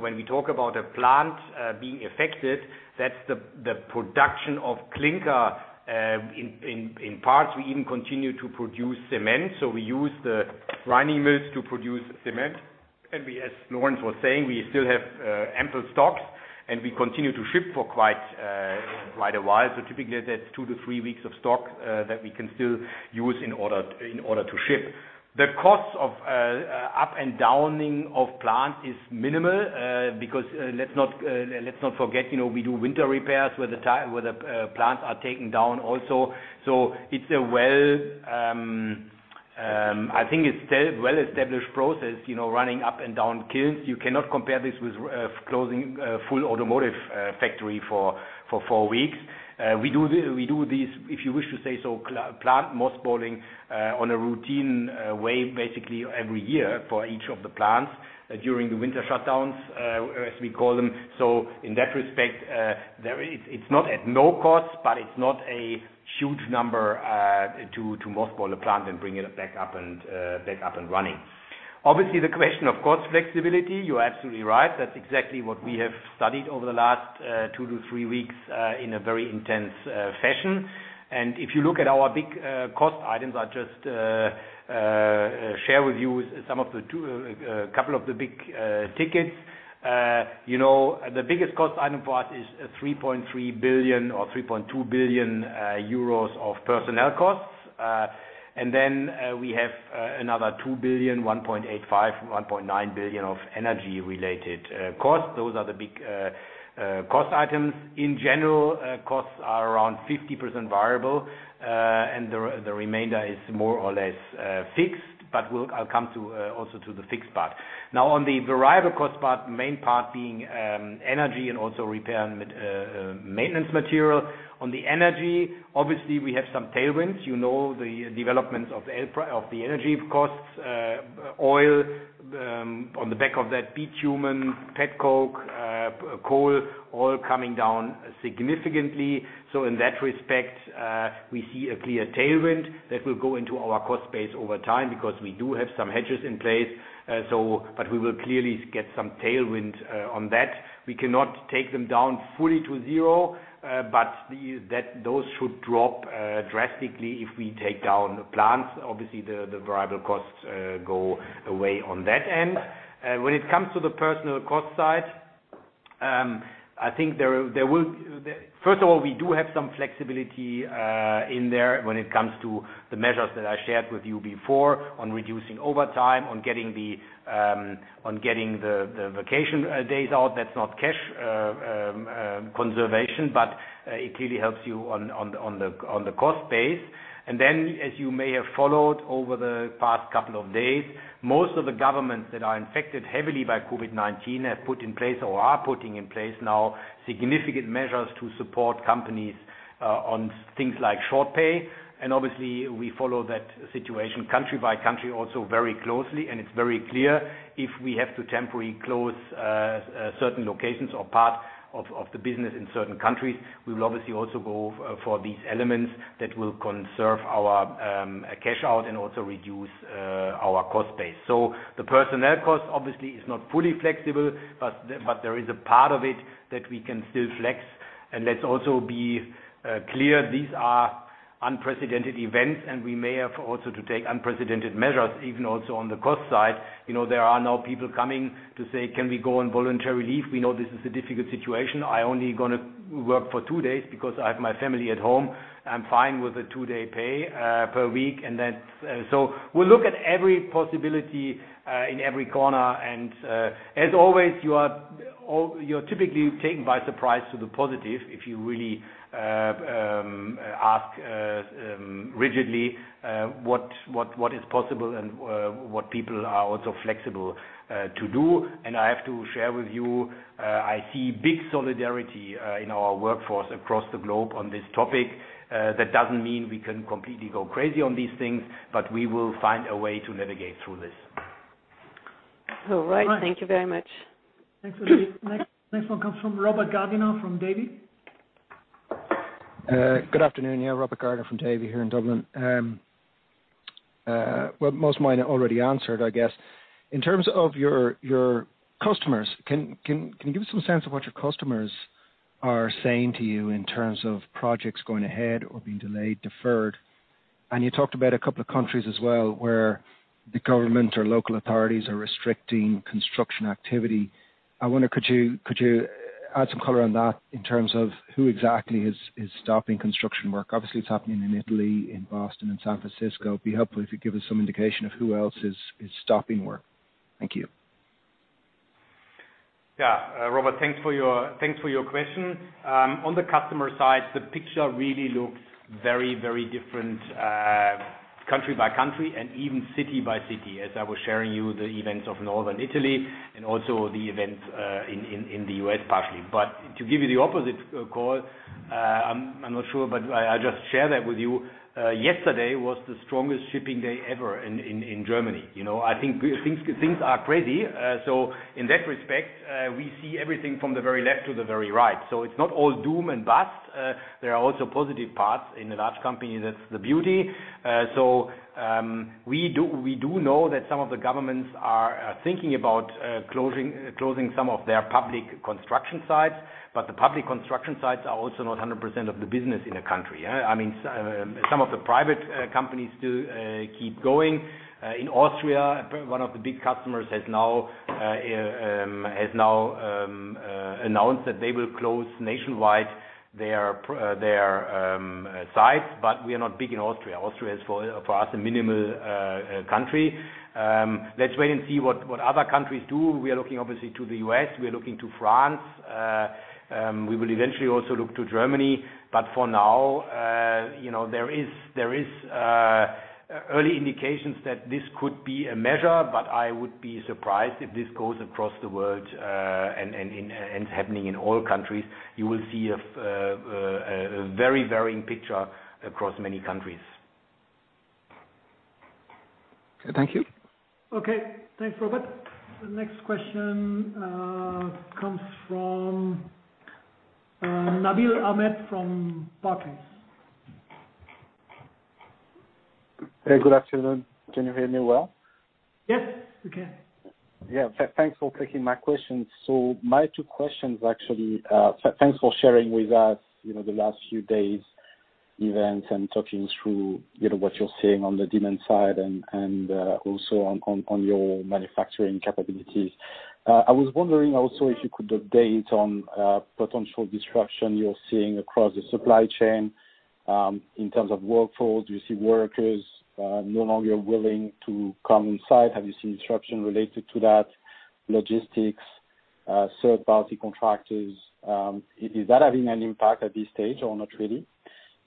when we talk about a plant being affected, that's the production of clinker. In parts, we even continue to produce cement, so we use the grinding mills to produce cement. As Lorenz was saying, we still have ample stocks, and we continue to ship for quite a while. Typically, that's two to three weeks of stock that we can still use in order to ship. The cost of up and downing of plant is minimal, because let's not forget, we do winter repairs where the plants are taken down also. I think it's still well-established process, running up and down kilns. You cannot compare this with closing a full automotive factory for four weeks. We do these, if you wish to say so, plant mothballing, on a routine way, basically every year for each of the plants during the winter shutdowns, as we call them. In that respect, it's not at no cost, but it's not a huge number to mothball a plant and bring it back up and running. Obviously, the question of cost flexibility, you're absolutely right. That's exactly what we have studied over the last two to three weeks in a very intense fashion. If you look at our big cost items, I'll just share with you a couple of the big tickets. The biggest cost item for us is 3.3 billion or 3.2 billion euros of personnel costs. Then we have another 2 billion, 1.85 billion, 1.9 billion of energy-related costs. Those are the big cost items. In general, costs are around 50% variable. The remainder is more or less fixed, but I'll come also to the fixed part. On the variable cost part, the main part being energy and also repair and maintenance material. On the energy, obviously, we have some tailwinds. You know the developments of the energy costs, oil, on the back of that bitumen, petcoke, coal, all coming down significantly. In that respect, we see a clear tailwind that will go into our cost base over time because we do have some hedges in place. We will clearly get some tailwind on that. We cannot take them down fully to zero, but those should drop drastically if we take down plants. Obviously, the variable costs go away on that end. When it comes to the personal cost side, first of all, we do have some flexibility in there when it comes to the measures that I shared with you before on reducing overtime, on getting the vacation days out. That's not cash conservation, but it clearly helps you on the cost base. As you may have followed over the past couple of days, most of the governments that are infected heavily by COVID-19 have put in place or are putting in place now significant measures to support companies on things like short pay. Obviously, we follow that situation country by country also very closely. It is very clear if we have to temporarily close certain locations or part of the business in certain countries, we will obviously also go for these elements that will conserve our cash out and also reduce our cost base. The personnel cost obviously is not fully flexible, but there is a part of it that we can still flex. Let us also be clear, these are unprecedented events, and we may have also to take unprecedented measures, even also on the cost side. There are now people coming to say, "Can we go on voluntary leave? We know this is a difficult situation. I only going to work for two days because I have my family at home. I'm fine with a two-day pay per week." We look at every possibility in every corner. As always, you're typically taken by surprise to the positive if you really ask rigidly what is possible and what people are also flexible to do. I have to share with you, I see big solidarity in our workforce across the globe on this topic. That doesn't mean we can completely go crazy on these things, but we will find a way to navigate through this. All right. Thank you very much. Thanks, Elodie. Next one comes from Robert Gardiner from Davy. Good afternoon. Robert Gardiner from Davy, here in Dublin. Most of mine are already answered, I guess. In terms of your customers, can you give us some sense of what your customers are saying to you in terms of projects going ahead or being delayed, deferred? You talked about a couple of countries as well, where the government or local authorities are restricting construction activity. I wonder, could you add some color on that in terms of who exactly is stopping construction work? Obviously, it's happening in Italy, in Boston and San Francisco. It'd be helpful if you give us some indication of who else is stopping work. Thank you. Yeah. Robert, thanks for your question. On the customer side, the picture really looks very, very different, country by country and even city by city, as I was sharing you the events of Northern Italy and also the events in the U.S. partially. To give you the opposite call, I'm not sure, but I just share that with you. Yesterday was the strongest shipping day ever in Germany. I think things are crazy. In that respect, we see everything from the very left to the very right. It's not all doom and bust. There are also positive parts in a large company, that's the beauty. We do know that some of the governments are thinking about closing some of their public construction sites, but the public construction sites are also not 100% of the business in a country. I mean, some of the private companies do keep going. In Austria, one of the big customers has now announced that they will close nationwide their sites, but we are not big in Austria. Austria is for us, a minimal country. Let's wait and see what other countries do. We are looking obviously to the U.S., we are looking to France. We will eventually also look to Germany. For now, there is early indications that this could be a measure, but I would be surprised if this goes across the world, and it's happening in all countries. You will see a very varying picture across many countries. Thank you. Okay. Thanks, Robert. The next question comes from Nabil Ahmed from Barclays. Hey, good afternoon. Can you hear me well? Yes. We can. Thanks for taking my questions. Thanks for sharing with us the last few days' events and talking through what you're seeing on the demand side and also on your manufacturing capabilities. I was wondering also if you could update on potential disruption you're seeing across the supply chain, in terms of workforce. Do you see workers no longer willing to come inside? Have you seen disruption related to that, logistics, third party contractors? Is that having an impact at this stage or not really?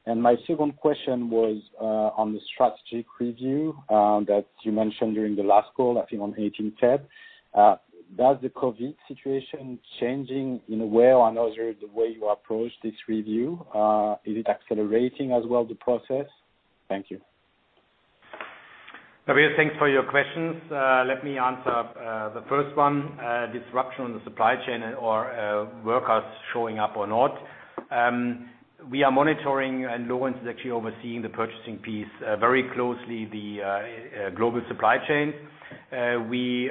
My second question was, on the strategic review that you mentioned during the last call, I think on 18 February. Does the COVID situation changing in a way or another the way you approach this review? Is it accelerating as well, the process? Thank you. Nabil, thanks for your questions. Let me answer the first one, disruption on the supply chain or workers showing up or not. We are monitoring, and Lorenz is actually overseeing the purchasing piece very closely the global supply chain. We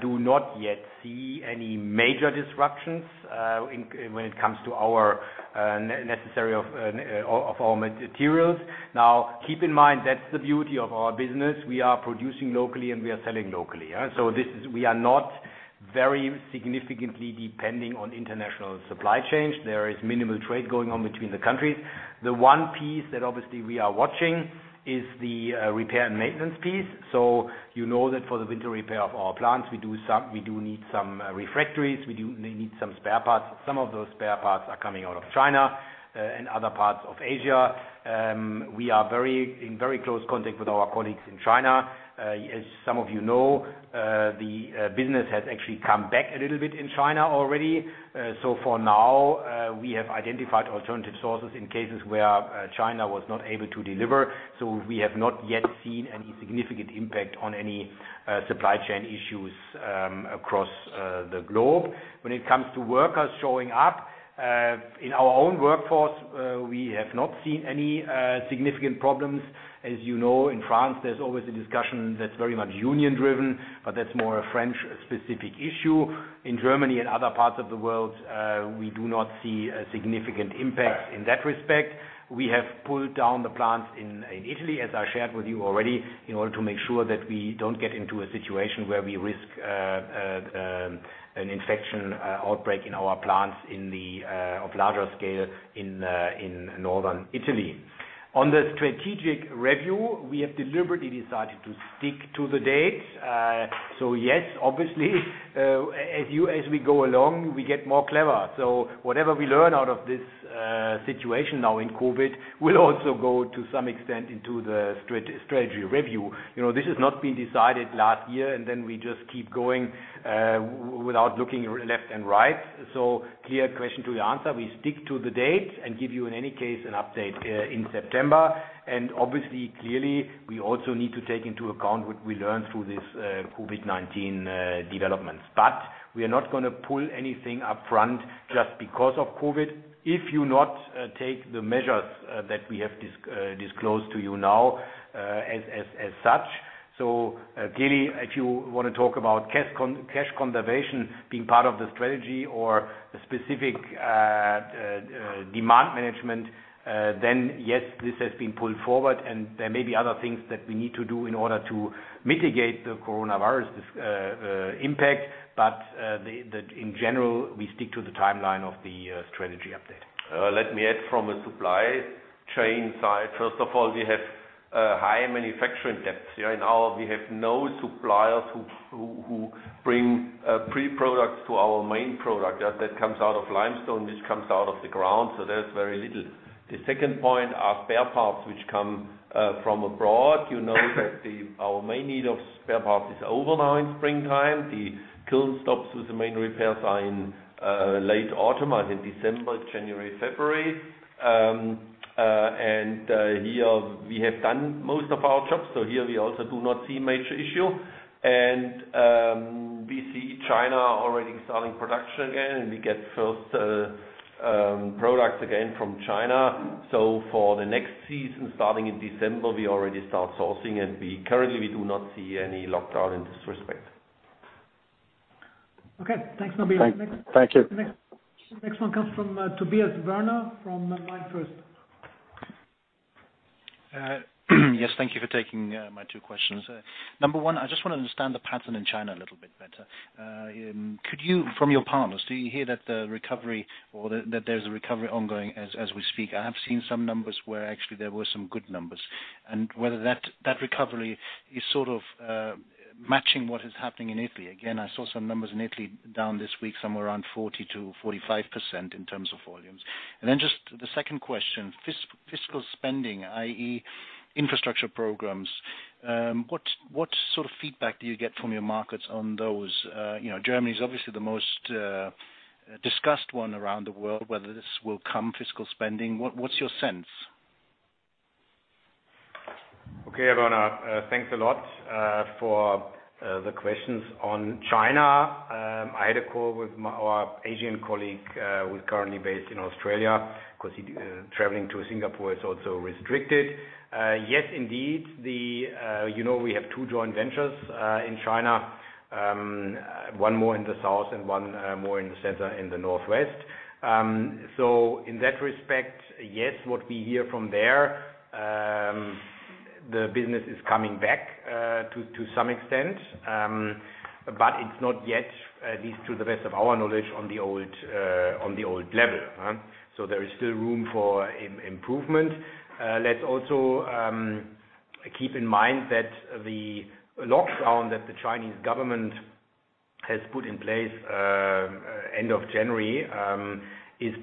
do not yet see any major disruptions when it comes to our necessary of our materials. Now, keep in mind, that's the beauty of our business. We are producing locally and we are selling locally. We are not very significantly depending on international supply chains. There is minimal trade going on between the countries. The one piece that obviously we are watching is the repair and maintenance piece. You know that for the winter repair of our plants, we do need some refractories. We do need some spare parts. Some of those spare parts are coming out of China and other parts of Asia. We are in very close contact with our colleagues in China. As some of you know, the business has actually come back a little bit in China already. For now, we have identified alternative sources in cases where China was not able to deliver. We have not yet seen any significant impact on any supply chain issues across the globe. When it comes to workers showing up, in our own workforce, we have not seen any significant problems. As you know, in France, there's always a discussion that's very much union driven, but that's more a French specific issue. In Germany and other parts of the world, we do not see a significant impact in that respect. We have pulled down the plants in Italy, as I shared with you already, in order to make sure that we don't get into a situation where we risk an infection outbreak in our plants of larger scale in Northern Italy. On the strategic review, we have deliberately decided to stick to the date. Yes, obviously, as we go along, we get more clever. Whatever we learn out of this situation now in COVID will also go to some extent into the strategy review. This has not been decided last year, and then we just keep going without looking left and right. Clear question to your answer. We stick to the date and give you, in any case, an update in September. Obviously, clearly, we also need to take into account what we learn through this COVID-19 developments. We are not going to pull anything up front just because of COVID. If you not take the measures that we have disclosed to you now as such. Clearly, if you want to talk about cash conservation being part of the strategy or specific demand management, then yes, this has been pulled forward, and there may be other things that we need to do in order to mitigate the coronavirus impact. In general, we stick to the timeline of the strategy update. Let me add from a supply chain side. First of all, we have high manufacturing depths. Right now, we have no suppliers who bring pre-products to our main product that comes out of limestone, which comes out of the ground. That's very little. The second point are spare parts, which come from abroad. You know that our main need of spare parts is over now in springtime. The kiln stops with the main repairs are in late autumn, either December, January, February. Here we have done most of our jobs. Here we also do not see major issue. We see China already starting production again, and we get first products again from China. For the next season, starting in December, we already start sourcing, and currently we do not see any lockdown in this respect. Okay. Thanks, Nabil Thank you. The next one comes from Tobias Woerner from MainFirst. Yes, thank you for taking my two questions. Number one, I just want to understand the pattern in China a little bit better. Could you, from your partners, do you hear that the recovery or that there's a recovery ongoing as we speak? I have seen some numbers where actually there were some good numbers, and whether that recovery is sort of matching what is happening in Italy. Again, I saw some numbers in Italy down this week, somewhere around 40%-45% in terms of volumes. Just the second question, fiscal spending, i.e., infrastructure programs. What sort of feedback do you get from your markets on those? Germany is obviously the most discussed one around the world, whether this will come, fiscal spending. What's your sense? Okay, Woerner, thanks a lot for the questions on China. I had a call with our Asian colleague, who is currently based in Australia because traveling to Singapore is also restricted. Yes, indeed. We have two joint ventures in China, one more in the south and one more in the center in the northwest. In that respect, yes, what we hear from there, the business is coming back to some extent. But it's not yet, at least to the best of our knowledge, on the old level. There is still room for improvement. Let's also keep in mind that the lockdown that the Chinese government has put in place end of January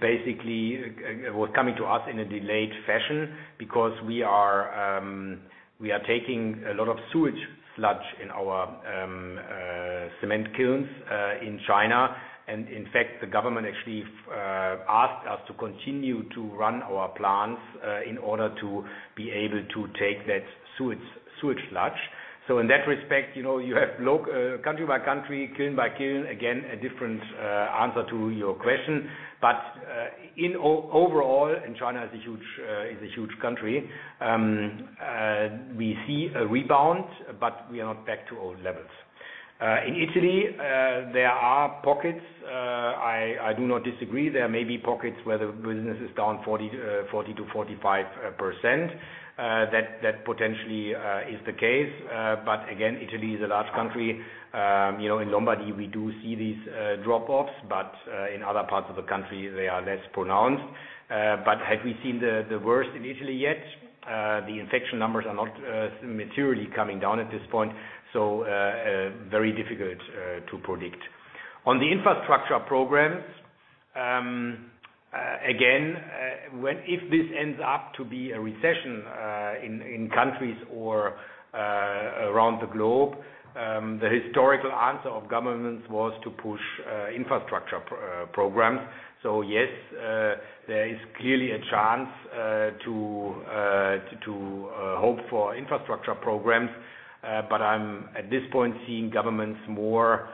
basically was coming to us in a delayed fashion because we are taking a lot of sewage sludge in our cement kilns in China. In fact, the government actually asked us to continue to run our plants in order to be able to take that sewage sludge. In that respect, you have country by country, kiln by kiln, again, a different answer to your question. In overall, and China is a huge country, we see a rebound, but we are not back to old levels. In Italy, there are pockets, I do not disagree. There may be pockets where the business is down 40%-45%. That potentially is the case. Again, Italy is a large country. In Lombardy, we do see these drop offs, but in other parts of the country, they are less pronounced. Have we seen the worst in Italy yet? The infection numbers are not materially coming down at this point, so very difficult to predict. On the infrastructure programs, again, if this ends up to be a recession in countries or around the globe, the historical answer of governments was to push infrastructure programs. Yes, there is clearly a chance to hope for infrastructure programs. I'm at this point seeing governments more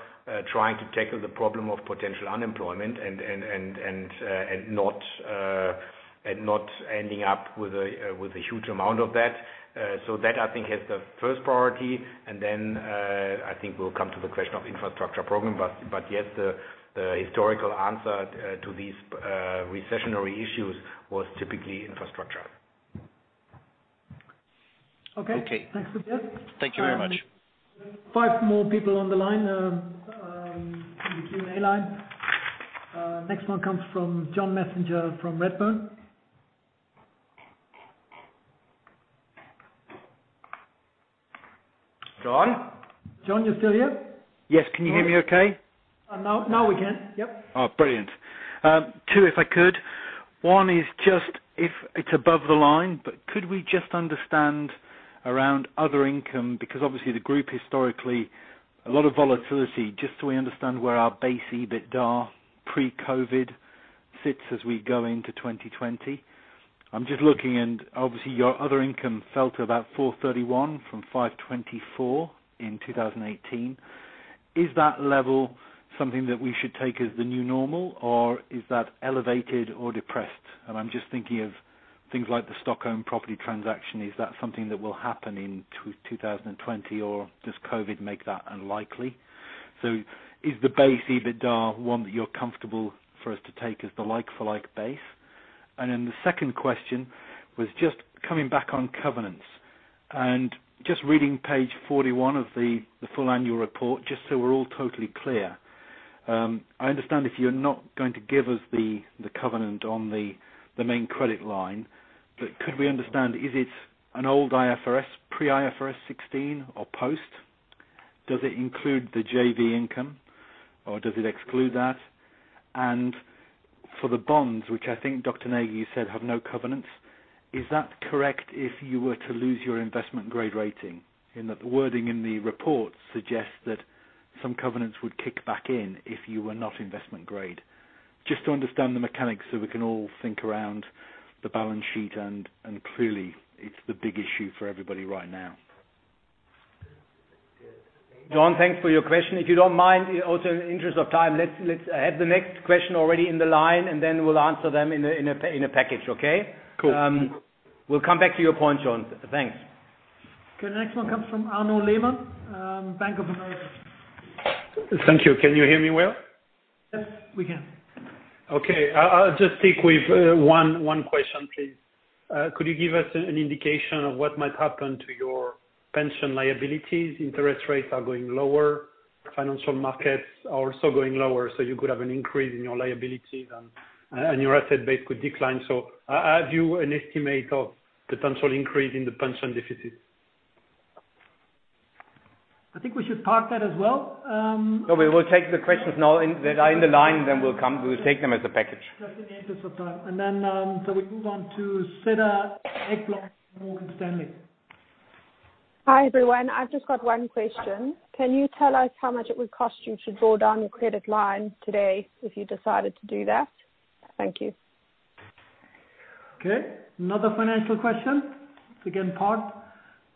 trying to tackle the problem of potential unemployment and not ending up with a huge amount of that. That I think has the first priority, and then I think we'll come to the question of infrastructure program. Yes, the historical answer to these recessionary issues was typically infrastructure. Okay. Thanks, Tobias. Thank you very much. Five more people on the line, in the Q&A line. Next one comes from John Messenger from Redburn. John? John, you still here? Yes. Can you hear me okay? Now we can. Yep. Oh, brilliant. Two, if I could. One is just if it's above the line, Could we just understand around other income, because obviously the group historically, a lot of volatility, just so we understand where our base EBITDA pre-COVID sits as we go into 2020. Obviously your other income fell to about 431 from 524 in 2018. Is that level something that we should take as the new normal, or is that elevated or depressed? I'm just thinking of things like the Stockholm property transaction. Is that something that will happen in 2020, or does COVID make that unlikely? Is the base EBITDA one that you're comfortable for us to take as the like-for-like base? The second question was just coming back on covenants, and just reading page 41 of the full annual report, just so we're all totally clear. I understand if you're not going to give us the covenant on the main credit line, but could we understand, is it an old IFRS, pre-IFRS 16 or post? Does it include the JV income or does it exclude that? For the bonds, which I think, Lorenz Näger, you said have no covenants, is that correct if you were to lose your investment-grade rating? In that the wording in the report suggests that some covenants would kick back in if you were not investment grade. Just to understand the mechanics so we can all think around the balance sheet and clearly it's the big issue for everybody right now. John, thanks for your question. If you don't mind, also in the interest of time, let's have the next question already in the line, and then we'll answer them in a package, okay? Cool. We'll come back to your point, John. Thanks. Good. Next one comes from Arnaud Lehmann, Bank of America. Thank you. Can you hear me well? Yes, we can. Okay. I'll just stick with one question, please. Could you give us an indication of what might happen to your pension liabilities? Interest rates are going lower. Financial markets are also going lower, so you could have an increase in your liabilities and your asset base could decline. Have you an estimate of potential increase in the pension deficit? I think we should park that as well. No, we will take the questions now that are in the line, then we'll take them as a package. Just in the interest of time. We move on to Cedar Ekblom, Morgan Stanley. Hi, everyone. I've just got one question. Can you tell us how much it would cost you to draw down your credit line today if you decided to do that? Thank you. Okay. Another financial question to get parked.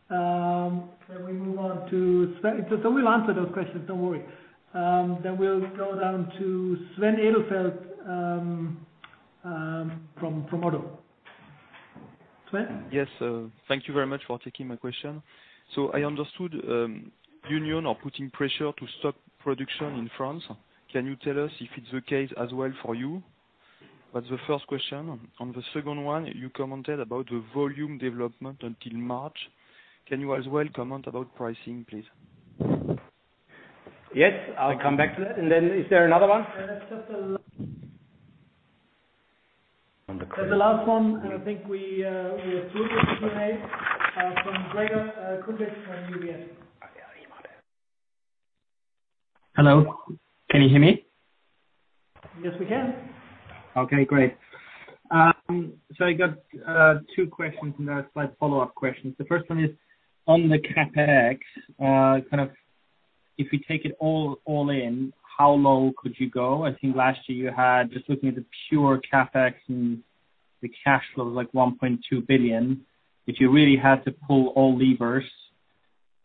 We move on to Sven. We'll answer those questions. Don't worry. We'll go down to Sven Edelfelt from ODDO BHF. Sven? Yes. Thank you very much for taking my question. I understood union are putting pressure to stop production in France. Can you tell us if it's the case as well for you? That's the first question. On the second one, you commented about the volume development until March. Can you as well comment about pricing, please? Yes, I'll come back to that. Is there another one? That's just the la- On the call. That's the last one, and I think we'll conclude the Q&A, from Gregor Kuglitsch from UBS. Hello. Can you hear me? Yes, we can. Great. I got two questions and a slight follow-up questions. The first one is on the CapEx. Kind of, if you take it all in, how low could you go? I think last year you had, just looking at the pure CapEx and the cash flow was like 1.2 billion. If you really had to pull all levers,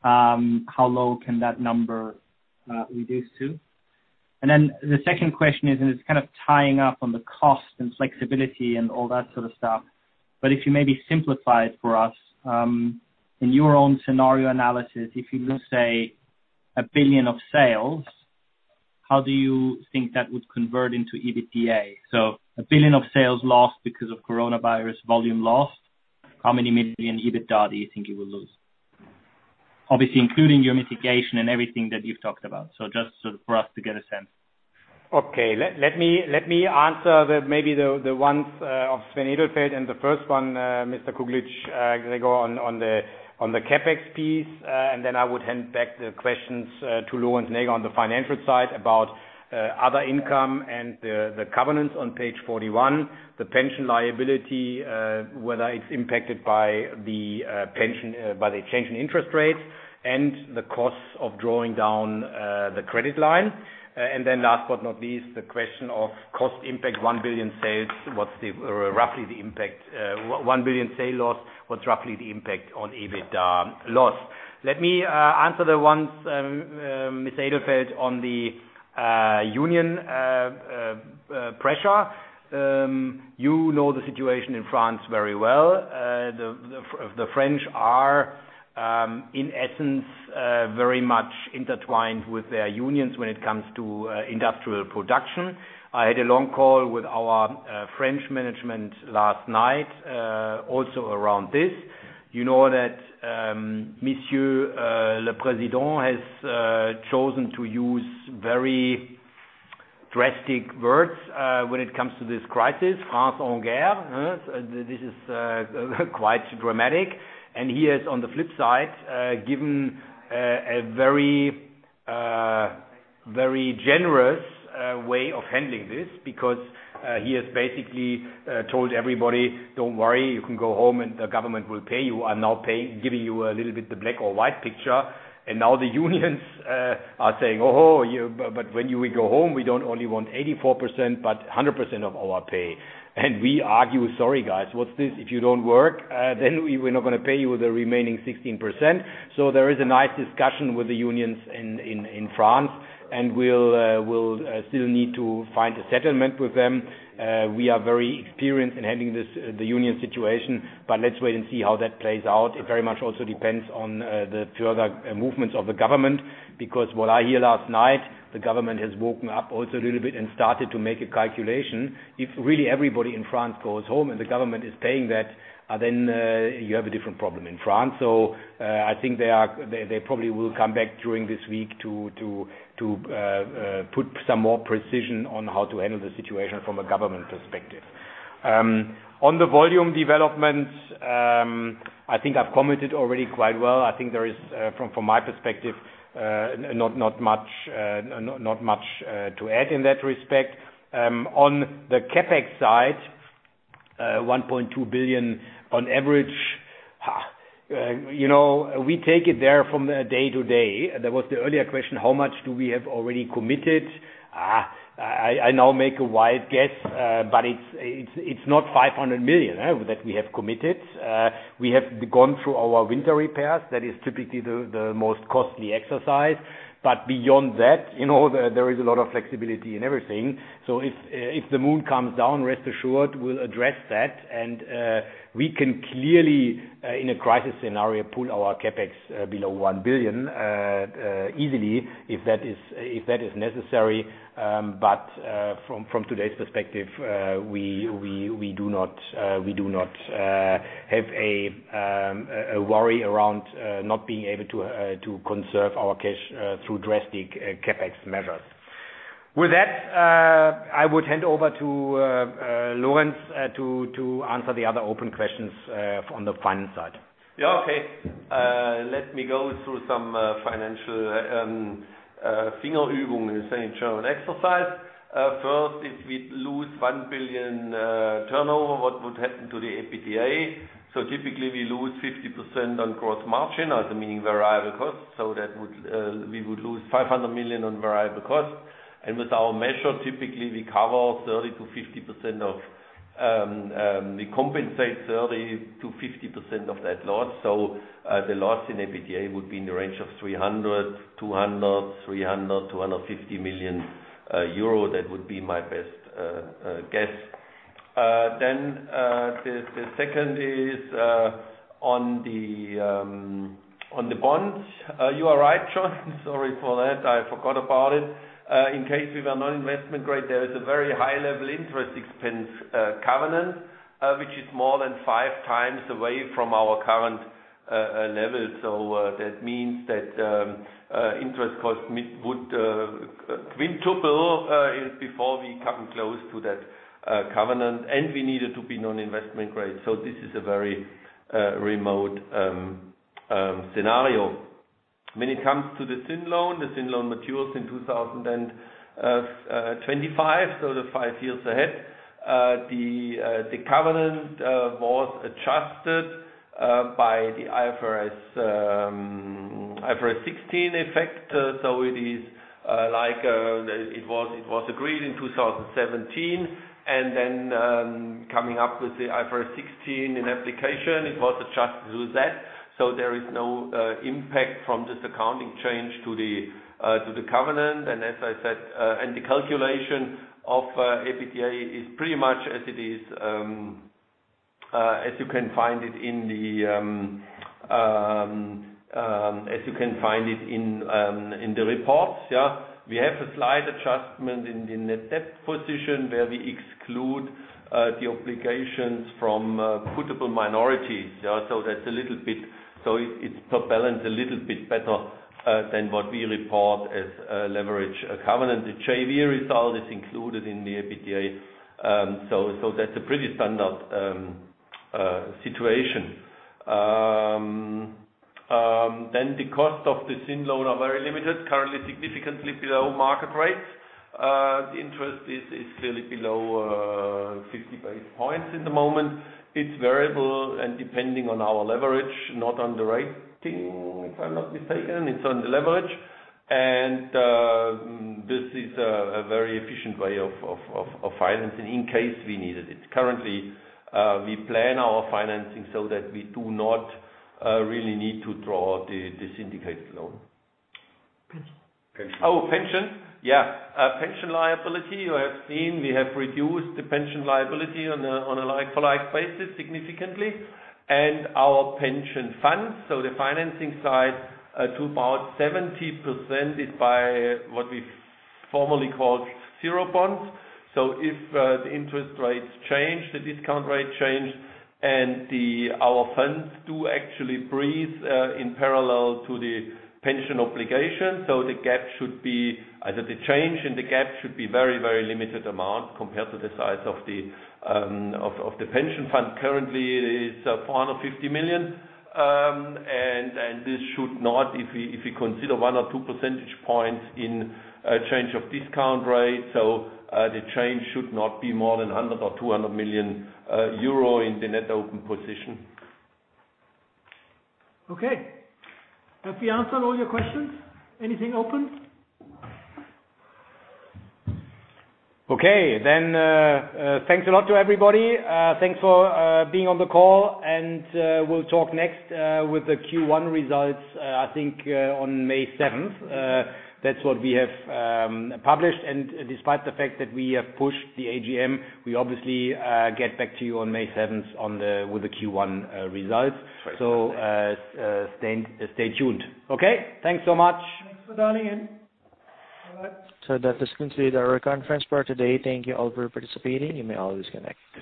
how low can that number reduce to? The second question is, and it's kind of tying up on the cost and flexibility and all that sort of stuff. If you maybe simplify it for us, in your own scenario analysis, if you lose, say, 1 billion of sales, how do you think that would convert into EBITDA? 1 billion of sales lost because of coronavirus volume lost, how many million EBITDA do you think you will lose? Obviously, including your mitigation and everything that you've talked about. Just sort of for us to get a sense. Okay, let me answer maybe the ones of Sven Edelfelt, the first one, Mr. Kuglitsch, Gregor, on the CapEx piece. Then I would hand back the questions to Lorenz Näger on the financial side about other income and the covenants on page 41. The pension liability, whether it's impacted by the change in interest rates and the costs of drawing down the credit line. Then last but not least, the question of cost impact, 1 billion sales. What's roughly the impact? 1 billion sale loss, what's roughly the impact on EBITDA loss? Let me answer the ones, Mr. Edelfelt, on the union pressure. You know the situation in France very well. The French are, in essence, very much intertwined with their unions when it comes to industrial production. I had a long call with our French management last night, also around this. You know that Monsieur le President has chosen to use very drastic words when it comes to this crisis. "France en guerre." This is quite dramatic. He has, on the flip side, given a very generous way of handling this, because he has basically told everybody, "Don't worry, you can go home and the government will pay you." I'm now giving you a little bit the black or white picture. Now the unions are saying, "Oh, but when we go home, we don't only want 84%, but 100% of our pay." We argue, "Sorry, guys. What's this? If you don't work, then we're not going to pay you the remaining 16%." There is a nice discussion with the unions in France, and we'll still need to find a settlement with them. We are very experienced in handling the union situation. Let's wait and see how that plays out. It very much also depends on the further movements of the government, because what I hear last night, the government has woken up also a little bit and started to make a calculation. If really everybody in France goes home and the government is paying that, then you have a different problem in France. I think they probably will come back during this week to put some more precision on how to handle the situation from a government perspective. On the volume developments, I think I've commented already quite well. I think there is, from my perspective, not much to add in that respect. On the CapEx side, 1.2 billion on average. We take it there from day to day. There was the earlier question, how much do we have already committed? I now make a wide guess, but it's not 500 million that we have committed. We have gone through our winter repairs. That is typically the most costly exercise. Beyond that, there is a lot of flexibility in everything. If the mood comes down, rest assured, we'll address that and we can clearly, in a crisis scenario, pull our CapEx below 1 billion easily, if that is necessary. From today's perspective, we do not have a worry around not being able to conserve our cash through drastic CapEx measures. With that, I would hand over to Lorenz to answer the other open questions on the finance side. Yeah, okay. Let me go through some financial finger exercise. First, if we lose 1 billion turnover, what would happen to the EBITDA? Typically we lose 50% on gross margin as the main variable cost. We would lose 500 million on variable cost. With our measure, typically we compensate 30%-50% of that loss. The loss in EBITDA would be in the range of 200 million-300 million euro. That would be my best guess. The second is on the bonds. You are right, John. Sorry for that. I forgot about it. In case we were non-investment grade, there is a very high level interest expense covenant, which is more than 5x away from our current level. That means that interest cost would quintuple, is before we come close to that covenant, and we needed to be non-investment grade. When it comes to the syndicated loan, the syndicated loan matures in 2025, so the five years ahead. The covenant was adjusted by the IFRS 16 effect. It is like it was agreed in 2017 and then coming up with the IFRS 16 in application, it was adjusted through that. There is no impact from this accounting change to the covenant. As I said, and the calculation of EBITDA is pretty much as it is, as you can find it in the reports. Yeah. We have a slight adjustment in the net debt position where we exclude the obligations from puttable minorities. It's per balance a little bit better than what we report as leverage covenant. The JV result is included in the EBITDA, that's a pretty standard situation. The cost of the syndicated loan are very limited, currently significantly below market rates. The interest is still below 50 basis points at the moment. It's variable and depending on our leverage, not on the rating, if I'm not mistaken. It's on the leverage. This is a very efficient way of financing in case we needed it. Currently, we plan our financing so that we do not really need to draw the syndicated loan. Pension. Oh, pension. Yeah. Pension liability. You have seen we have reduced the pension liability on a like-for-like basis significantly. Our pension funds, so the financing side to about 70% is by what we formally call zero bonds. If the interest rates change, the discount rate change our funds do actually breathe in parallel to the pension obligation. The gap should be, either the change in the gap should be very limited amount compared to the size of the pension fund. Currently, it is 450 million. This should not, if we consider one or two percentage points in change of discount rate. The change should not be more than 100 million or 200 million euro in the net open position. Okay. Have we answered all your questions? Anything open? Okay. Thanks a lot to everybody. Thanks for being on the call, and we'll talk next with the Q1 results, I think on May 7th. That's what we have published. Despite the fact that we have pushed the AGM, we obviously get back to you on May 7th with the Q1 results. Stay tuned. Okay. Thanks so much. Thanks for dialing in. Bye-bye. That is conclude our conference for today. Thank you all for participating. You may always disconnect.